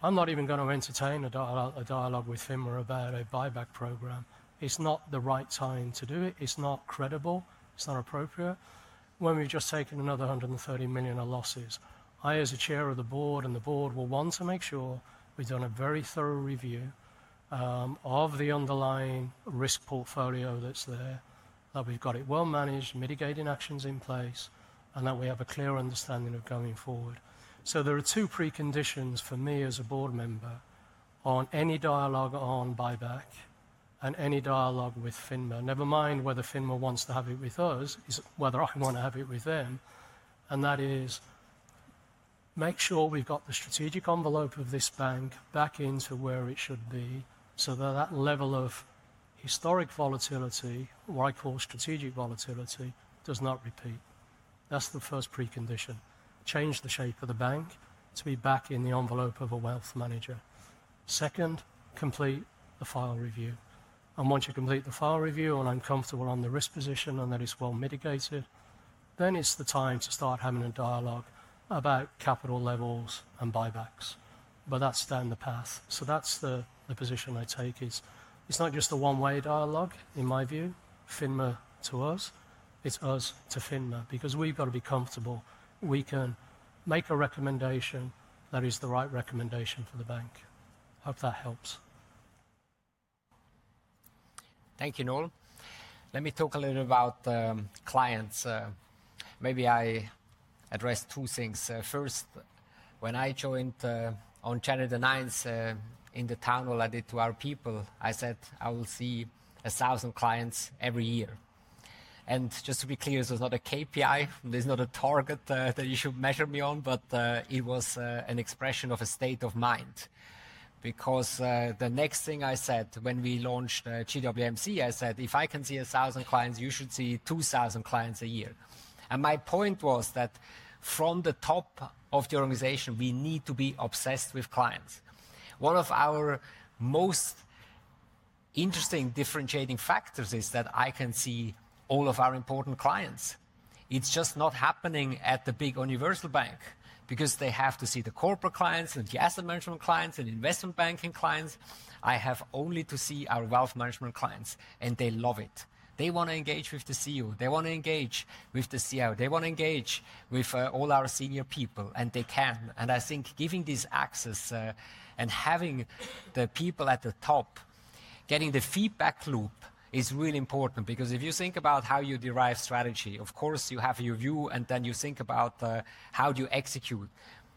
I'm not even going to entertain a dialogue with FINMA about a buyback program. It's not the right time to do it. It's not credible. It's not appropriate. When we've just taken another 130 million of losses, I, as Chair of the Board, and the Board will want to make sure we've done a very thorough review of the underlying risk portfolio that's there, that we've got it well managed, mitigating actions in place, and that we have a clear understanding of going forward. There are two preconditions for me as a Board member on any dialogue on buyback and any dialogue with FINMA. Never mind whether FINMA wants to have it with us, it's whether I want to have it with them. That is make sure we've got the strategic envelope of this bank back into where it should be so that that level of historic volatility, what I call strategic volatility, does not repeat. That's the first precondition. Change the shape of the bank to be back in the envelope of a wealth manager. Second, complete the file review. Once you complete the file review and I am comfortable on the risk position and that it is well mitigated, then it is the time to start having a dialogue about capital levels and buybacks. That is down the path. That is the position I take: it is not just a one-way dialogue, in my view, FINMA to us, it is us to FINMA because we have got to be comfortable. We can make a recommendation that is the right recommendation for the bank. Hope that helps. Thank you, Noel. Let me talk a little about clients. Maybe I address two things. First, when I joined on January 9th in the town, what I did to our people, I said, "I will see 1,000 clients every year." Just to be clear, this was not a KPI. There is not a target that you should measure me on, but it was an expression of a state of mind. The next thing I said when we launched GWMC, I said, "If I can see 1,000 clients, you should see 2,000 clients a year." My point was that from the top of the organization, we need to be obsessed with clients. One of our most interesting differentiating factors is that I can see all of our important clients. It is just not happening at the big universal bank because they have to see the corporate clients and the asset management clients and investment banking clients. I have only to see our wealth management clients, and they love it. They want to engage with the CEO. They want to engage with the CIO. They want to engage with all our senior people, and they can. I think giving this access and having the people at the top, getting the feedback loop is really important because if you think about how you derive strategy, of course you have your view, and then you think about how do you execute.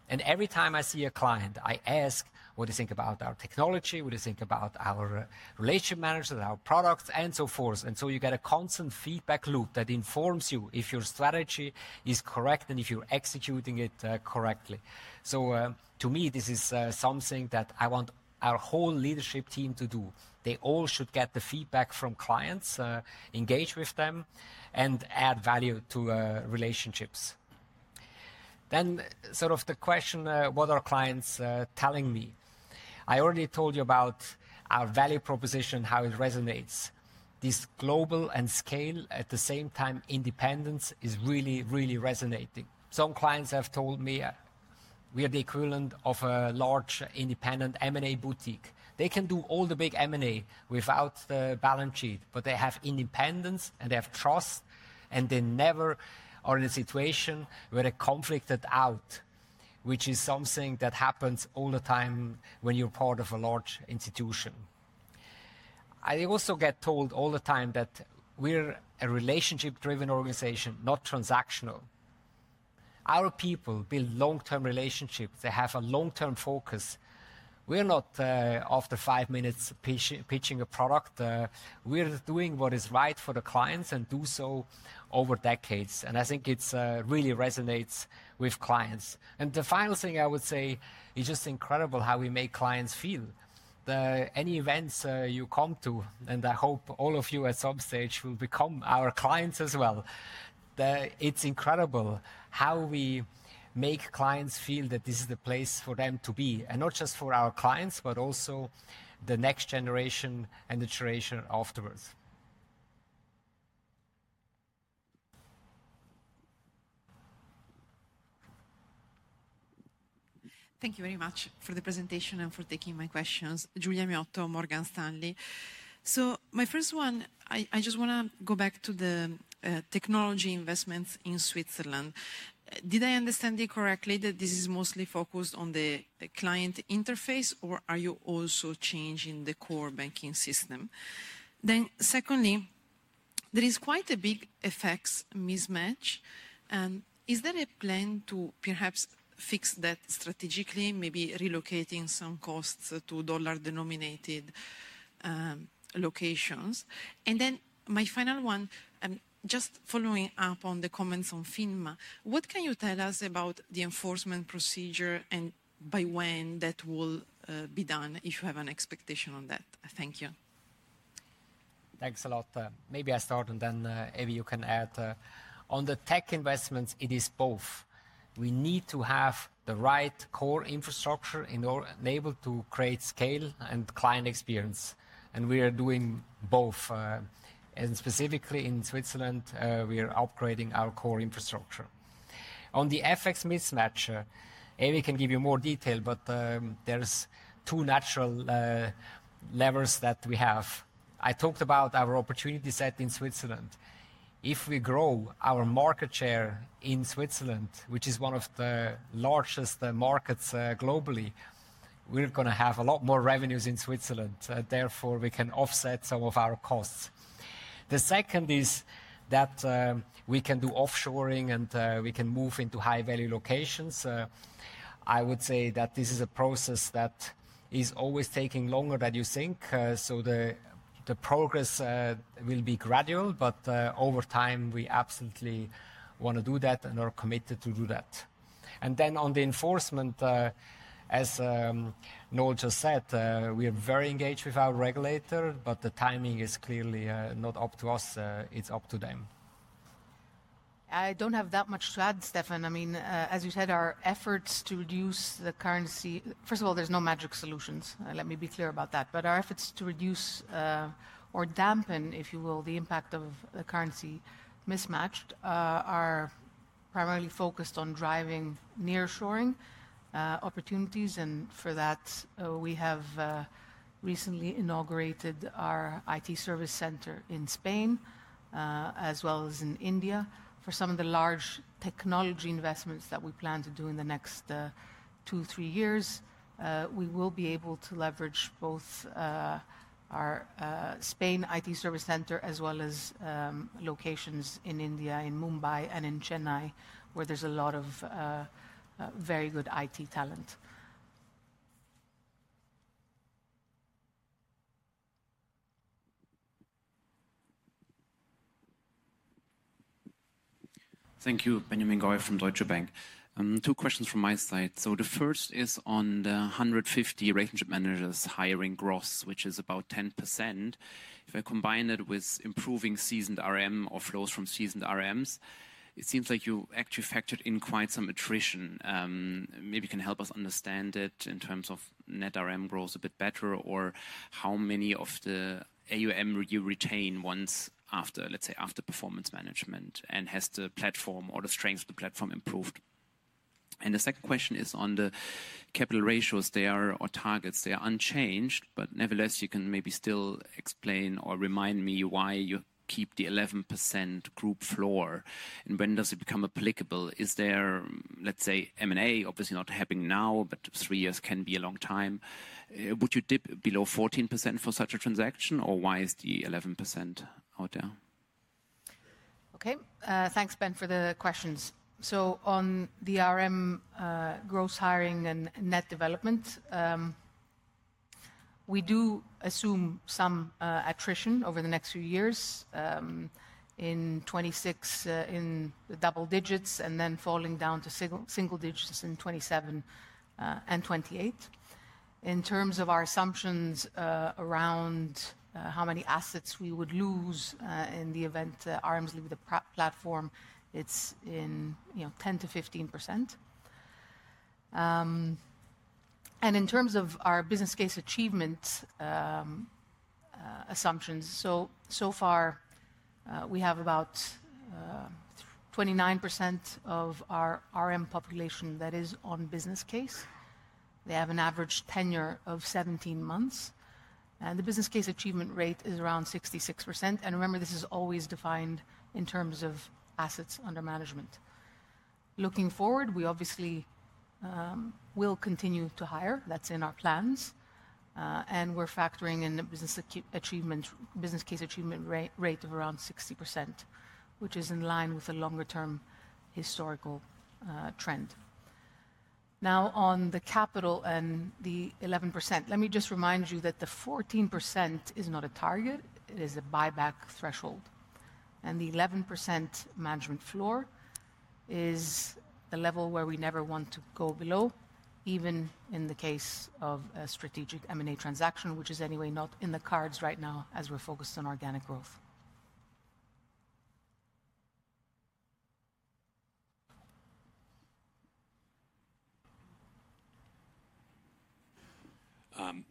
And every time I see a client, I ask, "What do you think about our technology? What do you think about our relationship managers, our products, and so forth?" You get a constant feedback loop that informs you if your strategy is correct and if you're executing it correctly. To me, this is something that I want our whole leadership team to do. They all should get the feedback from clients, engage with them, and add value to relationships. Then the question, what are clients telling me? I already told you about our value proposition, how it resonates. This global and scale, at the same time, independence is really, really resonating. Some clients have told me we are the equivalent of a large independent M&A boutique. They can do all the big M&A without the balance sheet, but they have independence and they have trust, and they never are in a situation where they're conflicted out, which is something that happens all the time when you're part of a large institution. I also get told all the time that we're a relationship-driven organization, not transactional. Our people build long-term relationships. They have a long-term focus. We're not after five minutes pitching a product. We're doing what is right for the clients and do so over decades. I think it really resonates with clients. The final thing I would say, it's just incredible how we make clients feel. Any events you come to, and I hope all of you at some stage will become our clients as well, it's incredible how we make clients feel that this is the place for them to be, and not just for our clients, but also the next generation and the generation afterwards. Thank you very much for the presentation and for taking my questions, Giulia Miotto, Morgan Stanley. My first one, I just want to go back to the technology investments in Switzerland. Did I understand you correctly that this is mostly focused on the client interface, or are you also changing the core banking system? Secondly, there is quite a big effects mismatch. Is there a plan to perhaps fix that strategically, maybe relocating some costs to dollar-denominated locations? My final one, just following up on the comments on FINMA, what can you tell us about the enforcement procedure and by when that will be done if you have an expectation on that? Thank you. Thanks a lot. Maybe I start and then maybe you can add. On the tech investments, it is both. We need to have the right core infrastructure in order to create scale and client experience. We are doing both. Specifically in Switzerland, we are upgrading our core infrastructure. On the effects mismatch, maybe I can give you more detail, but there are two natural levers that we have. I talked about our opportunity set in Switzerland. If we grow our market share in Switzerland, which is one of the largest markets globally, we're going to have a lot more revenues in Switzerland. Therefore, we can offset some of our costs. The second is that we can do offshoring and we can move into high-value locations. I would say that this is a process that is always taking longer than you think. The progress will be gradual, but over time, we absolutely want to do that and are committed to do that. On the enforcement, as Noel just said, we are very engaged with our regulator, but the timing is clearly not up to us. It's up to them. I don't have that much to add, Stefan. I mean, as you said, our efforts to reduce the currency, first of all, there's no magic solutions. Let me be clear about that. Our efforts to reduce or dampen, if you will, the impact of the currency mismatched are primarily focused on driving nearshoring opportunities. For that, we have recently inaugurated our IT service center in Spain as well as in India. For some of the large technology investments that we plan to do in the next two, three years, we will be able to leverage both our Spain IT service center as well as locations in India, in Mumbai and in Chennai, where there is a lot of very good IT talent. Thank you, Benjamin Goy from Deutsche Bank. Two questions from my side. The first is on the 150 relationship managers hiring gross, which is about 10%. If I combine it with improving seasoned RM or flows from seasoned RMs, it seems like you actually factored in quite some attrition. Maybe you can help us understand it in terms of net RM growth a bit better or how many of the AUM you retain once, let's say, after performance management and has the platform or the strength of the platform improved. The second question is on the capital ratios. They are or targets. They are unchanged, but nevertheless, you can maybe still explain or remind me why you keep the 11% group floor and when does it become applicable? Is there, let's say, M&A obviously not happening now, but three years can be a long time. Would you dip below 14% for such a transaction or why is the 11% out there? Okay. Thanks, Ben, for the questions. On the RM gross hiring and net development, we do assume some attrition over the next few years in 2026 in the double digits and then falling down to single digits in 2027 and 2028. In terms of our assumptions around how many assets we would lose in the event RMs leave the platform, it is in the 10%-15% range. In terms of our business case achievement assumptions, so far, we have about 29% of our RM population that is on business case. They have an average tenure of 17 months. The business case achievement rate is around 66%. Remember, this is always defined in terms of assets under management. Looking forward, we obviously will continue to hire. That is in our plans. We are factoring in the business case achievement rate of around 60%, which is in line with a longer-term historical trend. Now, on the capital and the 11%, let me just remind you that the 14% is not a target. It is a buyback threshold. The 11% management floor is the level where we never want to go below, even in the case of a strategic M&A transaction, which is anyway not in the cards right now as we're focused on organic growth.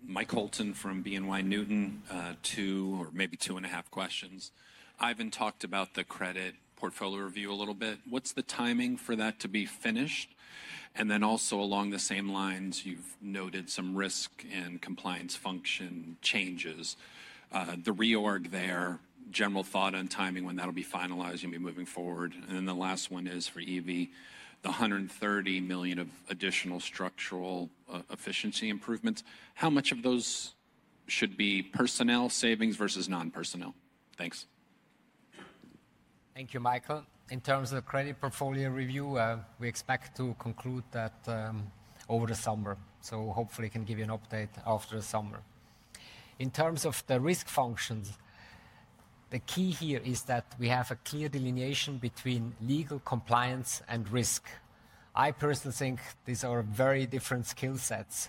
Mike Holton from BNY Newton. Two or maybe two and a half questions. Ivan talked about the credit portfolio review a little bit. What's the timing for that to be finished? Also along the same lines, you've noted some risk and compliance function changes. The reorg there, general thought on timing when that'll be finalized and be moving forward. The last one is for Evie, the 130 million of additional structural efficiency improvements. How much of those should be personnel savings versus non-personnel? Thanks. Thank you, Michael. In terms of the credit portfolio review, we expect to conclude that over the summer. Hopefully can give you an update after the summer. In terms of the risk functions, the key here is that we have a clear delineation between legal compliance and risk. I personally think these are very different skill sets.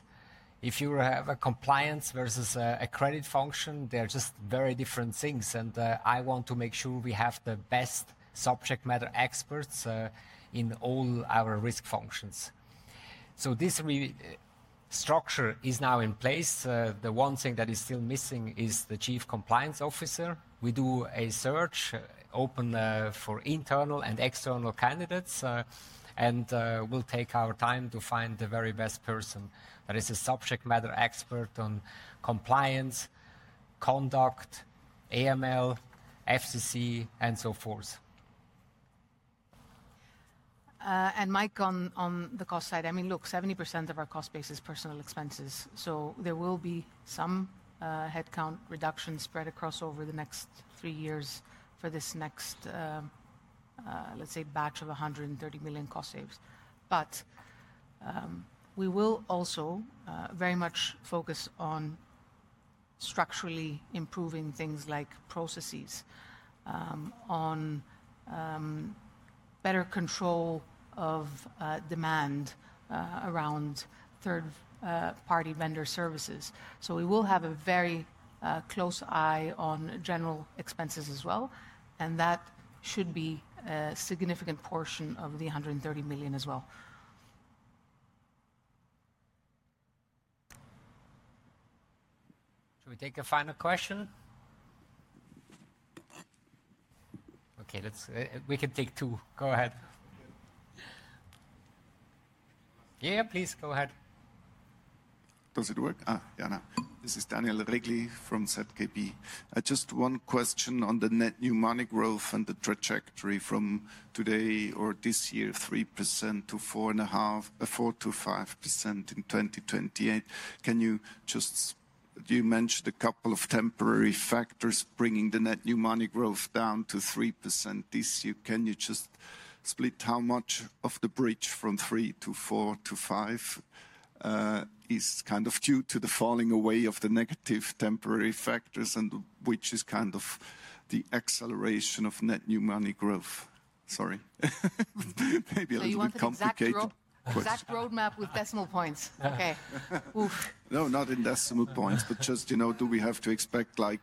If you have a compliance versus a credit function, they're just very different things. I want to make sure we have the best subject matter experts in all our risk functions. This structure is now in place. The one thing that is still missing is the Chief Compliance Officer. We do a search open for internal and external candidates and will take our time to find the very best person. That is a subject matter expert on compliance, conduct, AML, FCC, and so forth. Mike, on the cost side. I mean, look, 70% of our cost base is personnel expenses. There will be some headcount reduction spread across over the next three years for this next, let's say, batch of 130 million cost savers. We will also very much focus on structurally improving things like processes, on better control of demand around third-party vendor services. We will have a very close eye on general expenses as well. That should be a significant portion of the 130 million as well. Shall we take a final question? Okay, we can take two. Go ahead. Yeah, please go ahead. Does it work? Yeah, now. This is Daniel Regli from ZKB. Just one question on the net new money growth and the trajectory from today or this year, 3%-4.5% in 2028. Can you just, you mentioned a couple of temporary factors bringing the net new money growth down to 3% this year. Can you just split how much of the bridge from 3% to 4%-5% is kind of due to the falling away of the negative temporary factors, which is kind of the acceleration of net new money growth? Sorry. Maybe a little bit complicated. Exact roadmap with decimal points. Okay. No, not in decimal points, but just, you know, do we have to expect like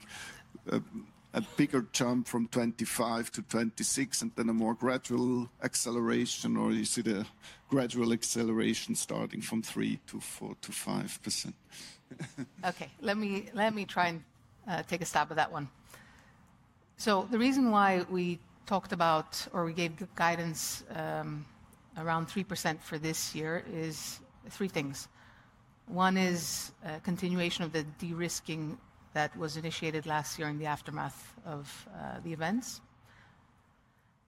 a bigger jump from 2025 to 2026 and then a more gradual acceleration, or is it a gradual acceleration starting from 3% to 4%-5%? Okay, let me try and take a stab at that one. So the reason why we talked about or we gave guidance around 3% for this year is three things. One is continuation of the derisking that was initiated last year in the aftermath of the events.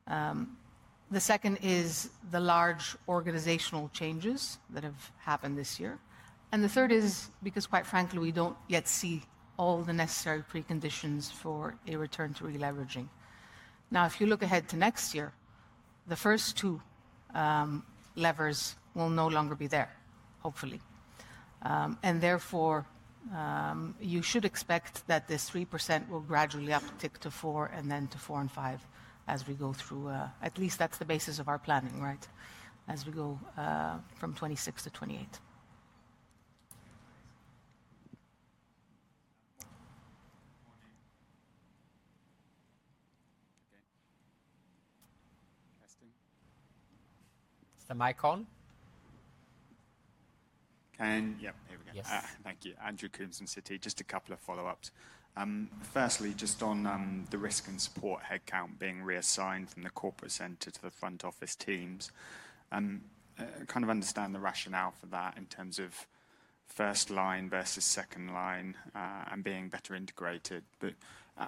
The second is the large organizational changes that have happened this year. The third is because, quite frankly, we do not yet see all the necessary preconditions for a return to releveraging. Now, if you look ahead to next year, the first two levers will no longer be there, hopefully. Therefore, you should expect that this 3% will gradually uptick to 4% and then to 4% and 5% as we go through. At least that is the basis of our planning, right? As we go from 2026 to 2028. Mr. Michael. Ken, yeah, there we go. Yes. Thank you. Andrew Coombs from Citi. Just a couple of follow-ups. Firstly, just on the risk and support headcount being reassigned from the corporate center to the front office teams. I kind of understand the rationale for that in terms of first line versus second line and being better integrated.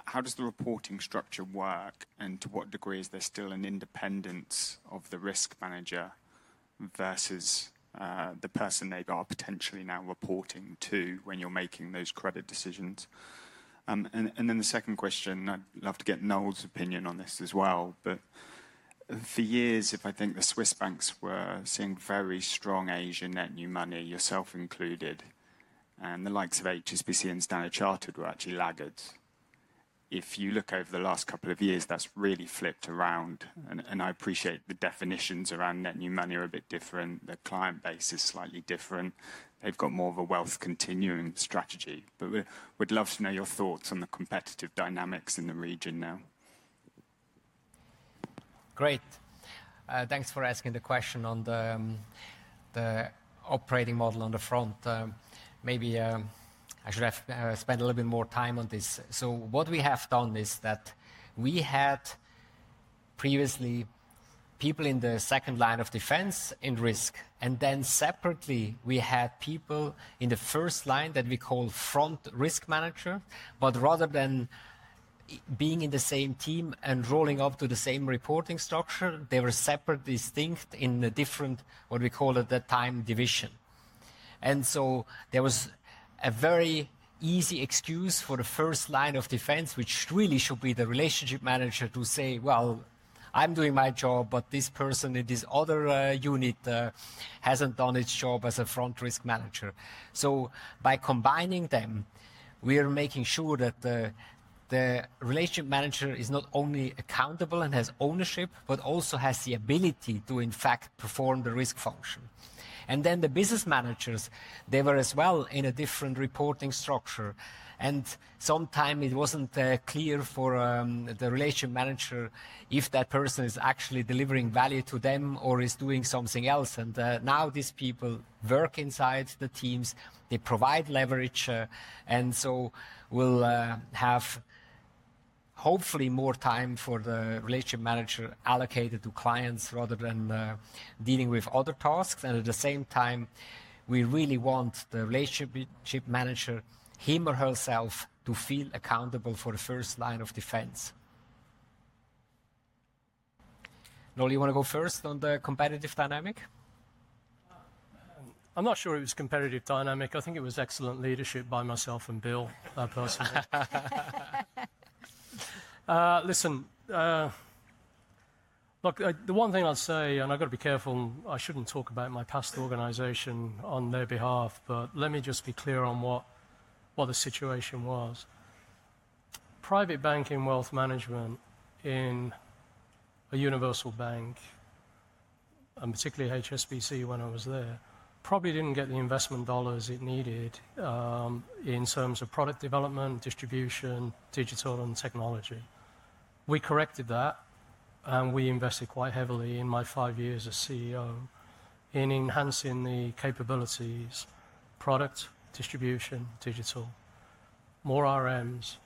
How does the reporting structure work and to what degree is there still an independence of the risk manager versus the person they are potentially now reporting to when you're making those credit decisions? The second question, I'd love to get Noel's opinion on this as well. For years, if I think the Swiss banks were seeing very strong Asian net new money, yourself included, and the likes of HSBC and Standard Chartered were actually laggards. If you look over the last couple of years, that's really flipped around. I appreciate the definitions around net new money are a bit different. The client base is slightly different. They've got more of a wealth continuing strategy. We'd love to know your thoughts on the competitive dynamics in the region now. Great. Thanks for asking the question on the operating model on the front. Maybe I should have spent a little bit more time on this. What we have done is that we had previously people in the second line of defense in risk. Then separately, we had people in the first line that we call front risk manager. Rather than being in the same team and rolling up to the same reporting structure, they were separate, distinct in a different, what we called at that time, division. There was a very easy excuse for the first line of defense, which really should be the relationship manager, to say, I'm doing my job, but this person in this other unit hasn't done its job as a front risk manager. By combining them, we are making sure that the relationship manager is not only accountable and has ownership, but also has the ability to, in fact, perform the risk function. The business managers, they were as well in a different reporting structure. Sometimes it was not clear for the relationship manager if that person is actually delivering value to them or is doing something else. Now these people work inside the teams. They provide leverage. We will have hopefully more time for the relationship manager allocated to clients rather than dealing with other tasks. At the same time, we really want the relationship manager, him or herself, to feel accountable for the first line of defense. Noel, you want to go first on the competitive dynamic? I'm not sure it was competitive dynamic. I think it was excellent leadership by myself and Bill personally. Listen, look, the one thing I'll say, and I've got to be careful, I shouldn't talk about my past organization on their behalf, but let me just be clear on what the situation was. Private banking wealth management in a universal bank, and particularly HSBC when I was there, probably didn't get the investment dollars it needed in terms of product development, distribution, digital, and technology. We corrected that, and we invested quite heavily in my five years as CEO in enhancing the capabilities, product, distribution, digital, more RMs.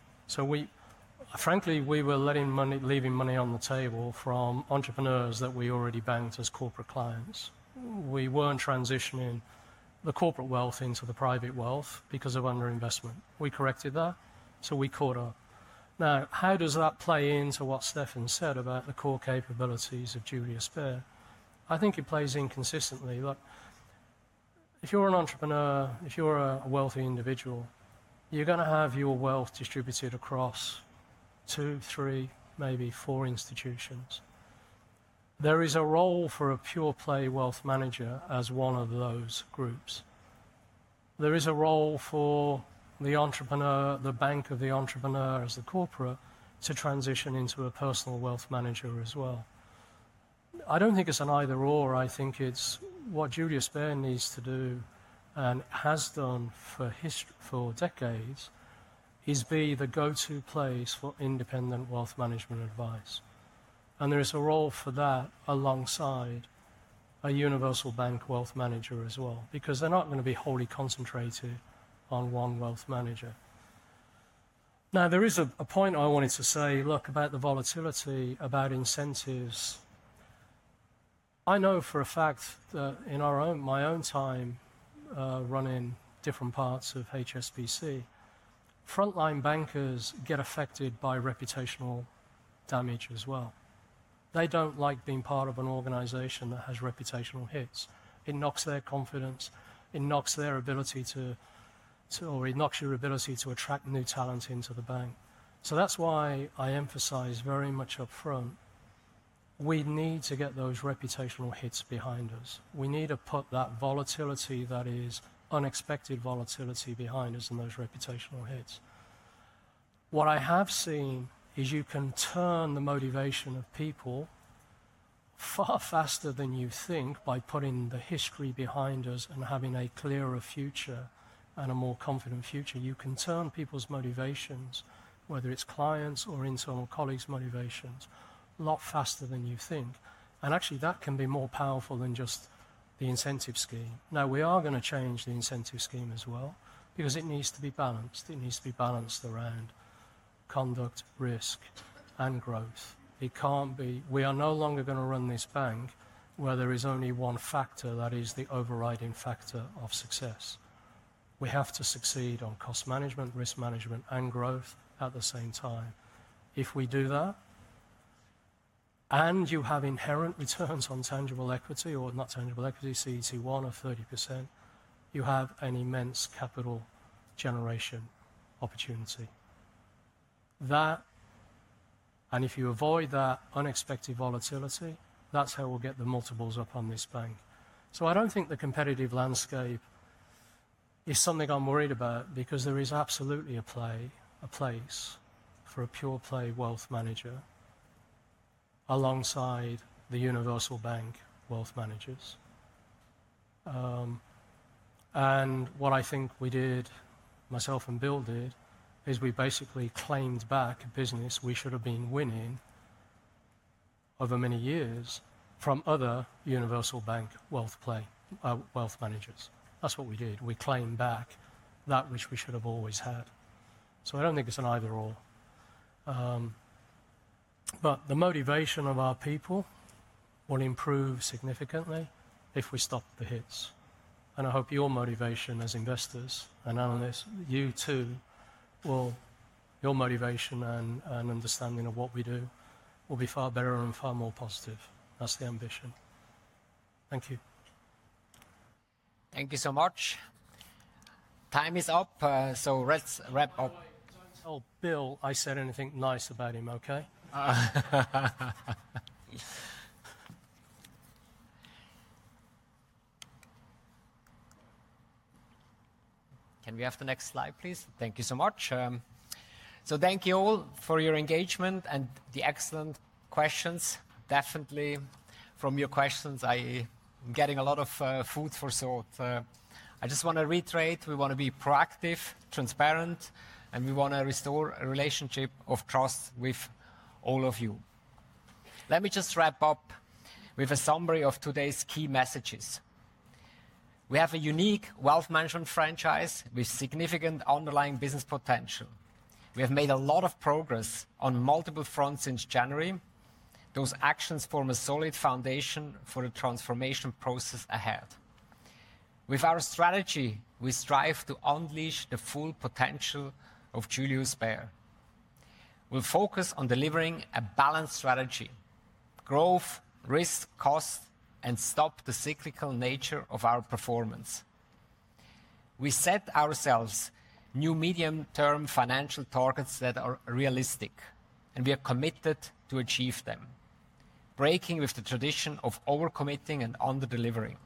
Frankly, we were letting money, leaving money on the table from entrepreneurs that we already banked as corporate clients. We weren't transitioning the corporate wealth into the private wealth because of underinvestment. We corrected that, so we caught up. Now, how does that play into what Stefan said about the core capabilities of Julius Bär? I think it plays inconsistently. Look, if you're an entrepreneur, if you're a wealthy individual, you're going to have your wealth distributed across two, three, maybe four institutions. There is a role for a pure play wealth manager as one of those groups. There is a role for the entrepreneur, the bank of the entrepreneur as a corporate to transition into a personal wealth manager as well. I do not think it's an either/or. I think what Julius Bär needs to do and has done for decades is be the go-to place for independent wealth management advice. There is a role for that alongside a universal bank wealth manager as well, because they're not going to be wholly concentrated on one wealth manager. Now, there is a point I wanted to say, look, about the volatility, about incentives. I know for a fact that in my own time running different parts of HSBC, frontline bankers get affected by reputational damage as well. They do not like being part of an organization that has reputational hits. It knocks their confidence. It knocks their ability to, or it knocks your ability to attract new talent into the bank. That is why I emphasize very much upfront, we need to get those reputational hits behind us. We need to put that volatility, that is unexpected volatility, behind us and those reputational hits. What I have seen is you can turn the motivation of people far faster than you think by putting the history behind us and having a clearer future and a more confident future. You can turn people's motivations, whether it is clients or internal colleagues' motivations, a lot faster than you think. Actually, that can be more powerful than just the incentive scheme. Now, we are going to change the incentive scheme as well, because it needs to be balanced. It needs to be balanced around conduct, risk, and growth. It cannot be, we are no longer going to run this bank where there is only one factor that is the overriding factor of success. We have to succeed on cost management, risk management, and growth at the same time. If we do that, and you have inherent returns on tangible equity or not tangible equity, CET1 of 30%, you have an immense capital generation opportunity. That, and if you avoid that unexpected volatility, that is how we will get the multiples up on this bank. I do not think the competitive landscape is something I am worried about, because there is absolutely a place for a pure play wealth manager alongside the universal bank wealth managers. What I think we did, myself and Bill did, is we basically claimed back a business we should have been winning over many years from other universal bank wealth managers. That is what we did. We claimed back that which we should have always had. I do not think it is an either/or. The motivation of our people will improve significantly if we stop the hits. I hope your motivation as investors and analysts, you too, will, your motivation and understanding of what we do will be far better and far more positive. That is the ambition. Thank you. Thank you so much. Time is up, so let us wrap up. Bill, I said anything nice about him, okay? Can we have the next slide, please? Thank you so much. Thank you all for your engagement and the excellent questions. Definitely, from your questions, I'm getting a lot of food for thought. I just want to reiterate, we want to be proactive, transparent, and we want to restore a relationship of trust with all of you. Let me just wrap up with a summary of today's key messages. We have a unique wealth management franchise with significant underlying business potential. We have made a lot of progress on multiple fronts since January. Those actions form a solid foundation for the transformation process ahead. With our strategy, we strive to unleash the full potential of Julius Bär. We'll focus on delivering a balanced strategy, growth, risk, cost, and stop the cyclical nature of our performance. We set ourselves new medium-term financial targets that are realistic, and we are committed to achieve them, breaking with the tradition of overcommitting and under-delivering.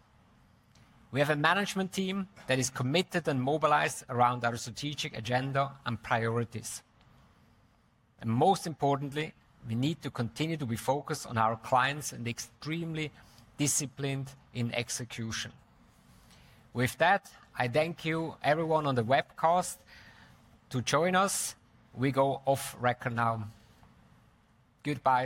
We have a management team that is committed and mobilized around our strategic agenda and priorities. Most importantly, we need to continue to be focused on our clients and extremely disciplined in execution. With that, I thank you, everyone on the webcast, for joining us. We go off record now. Goodbye.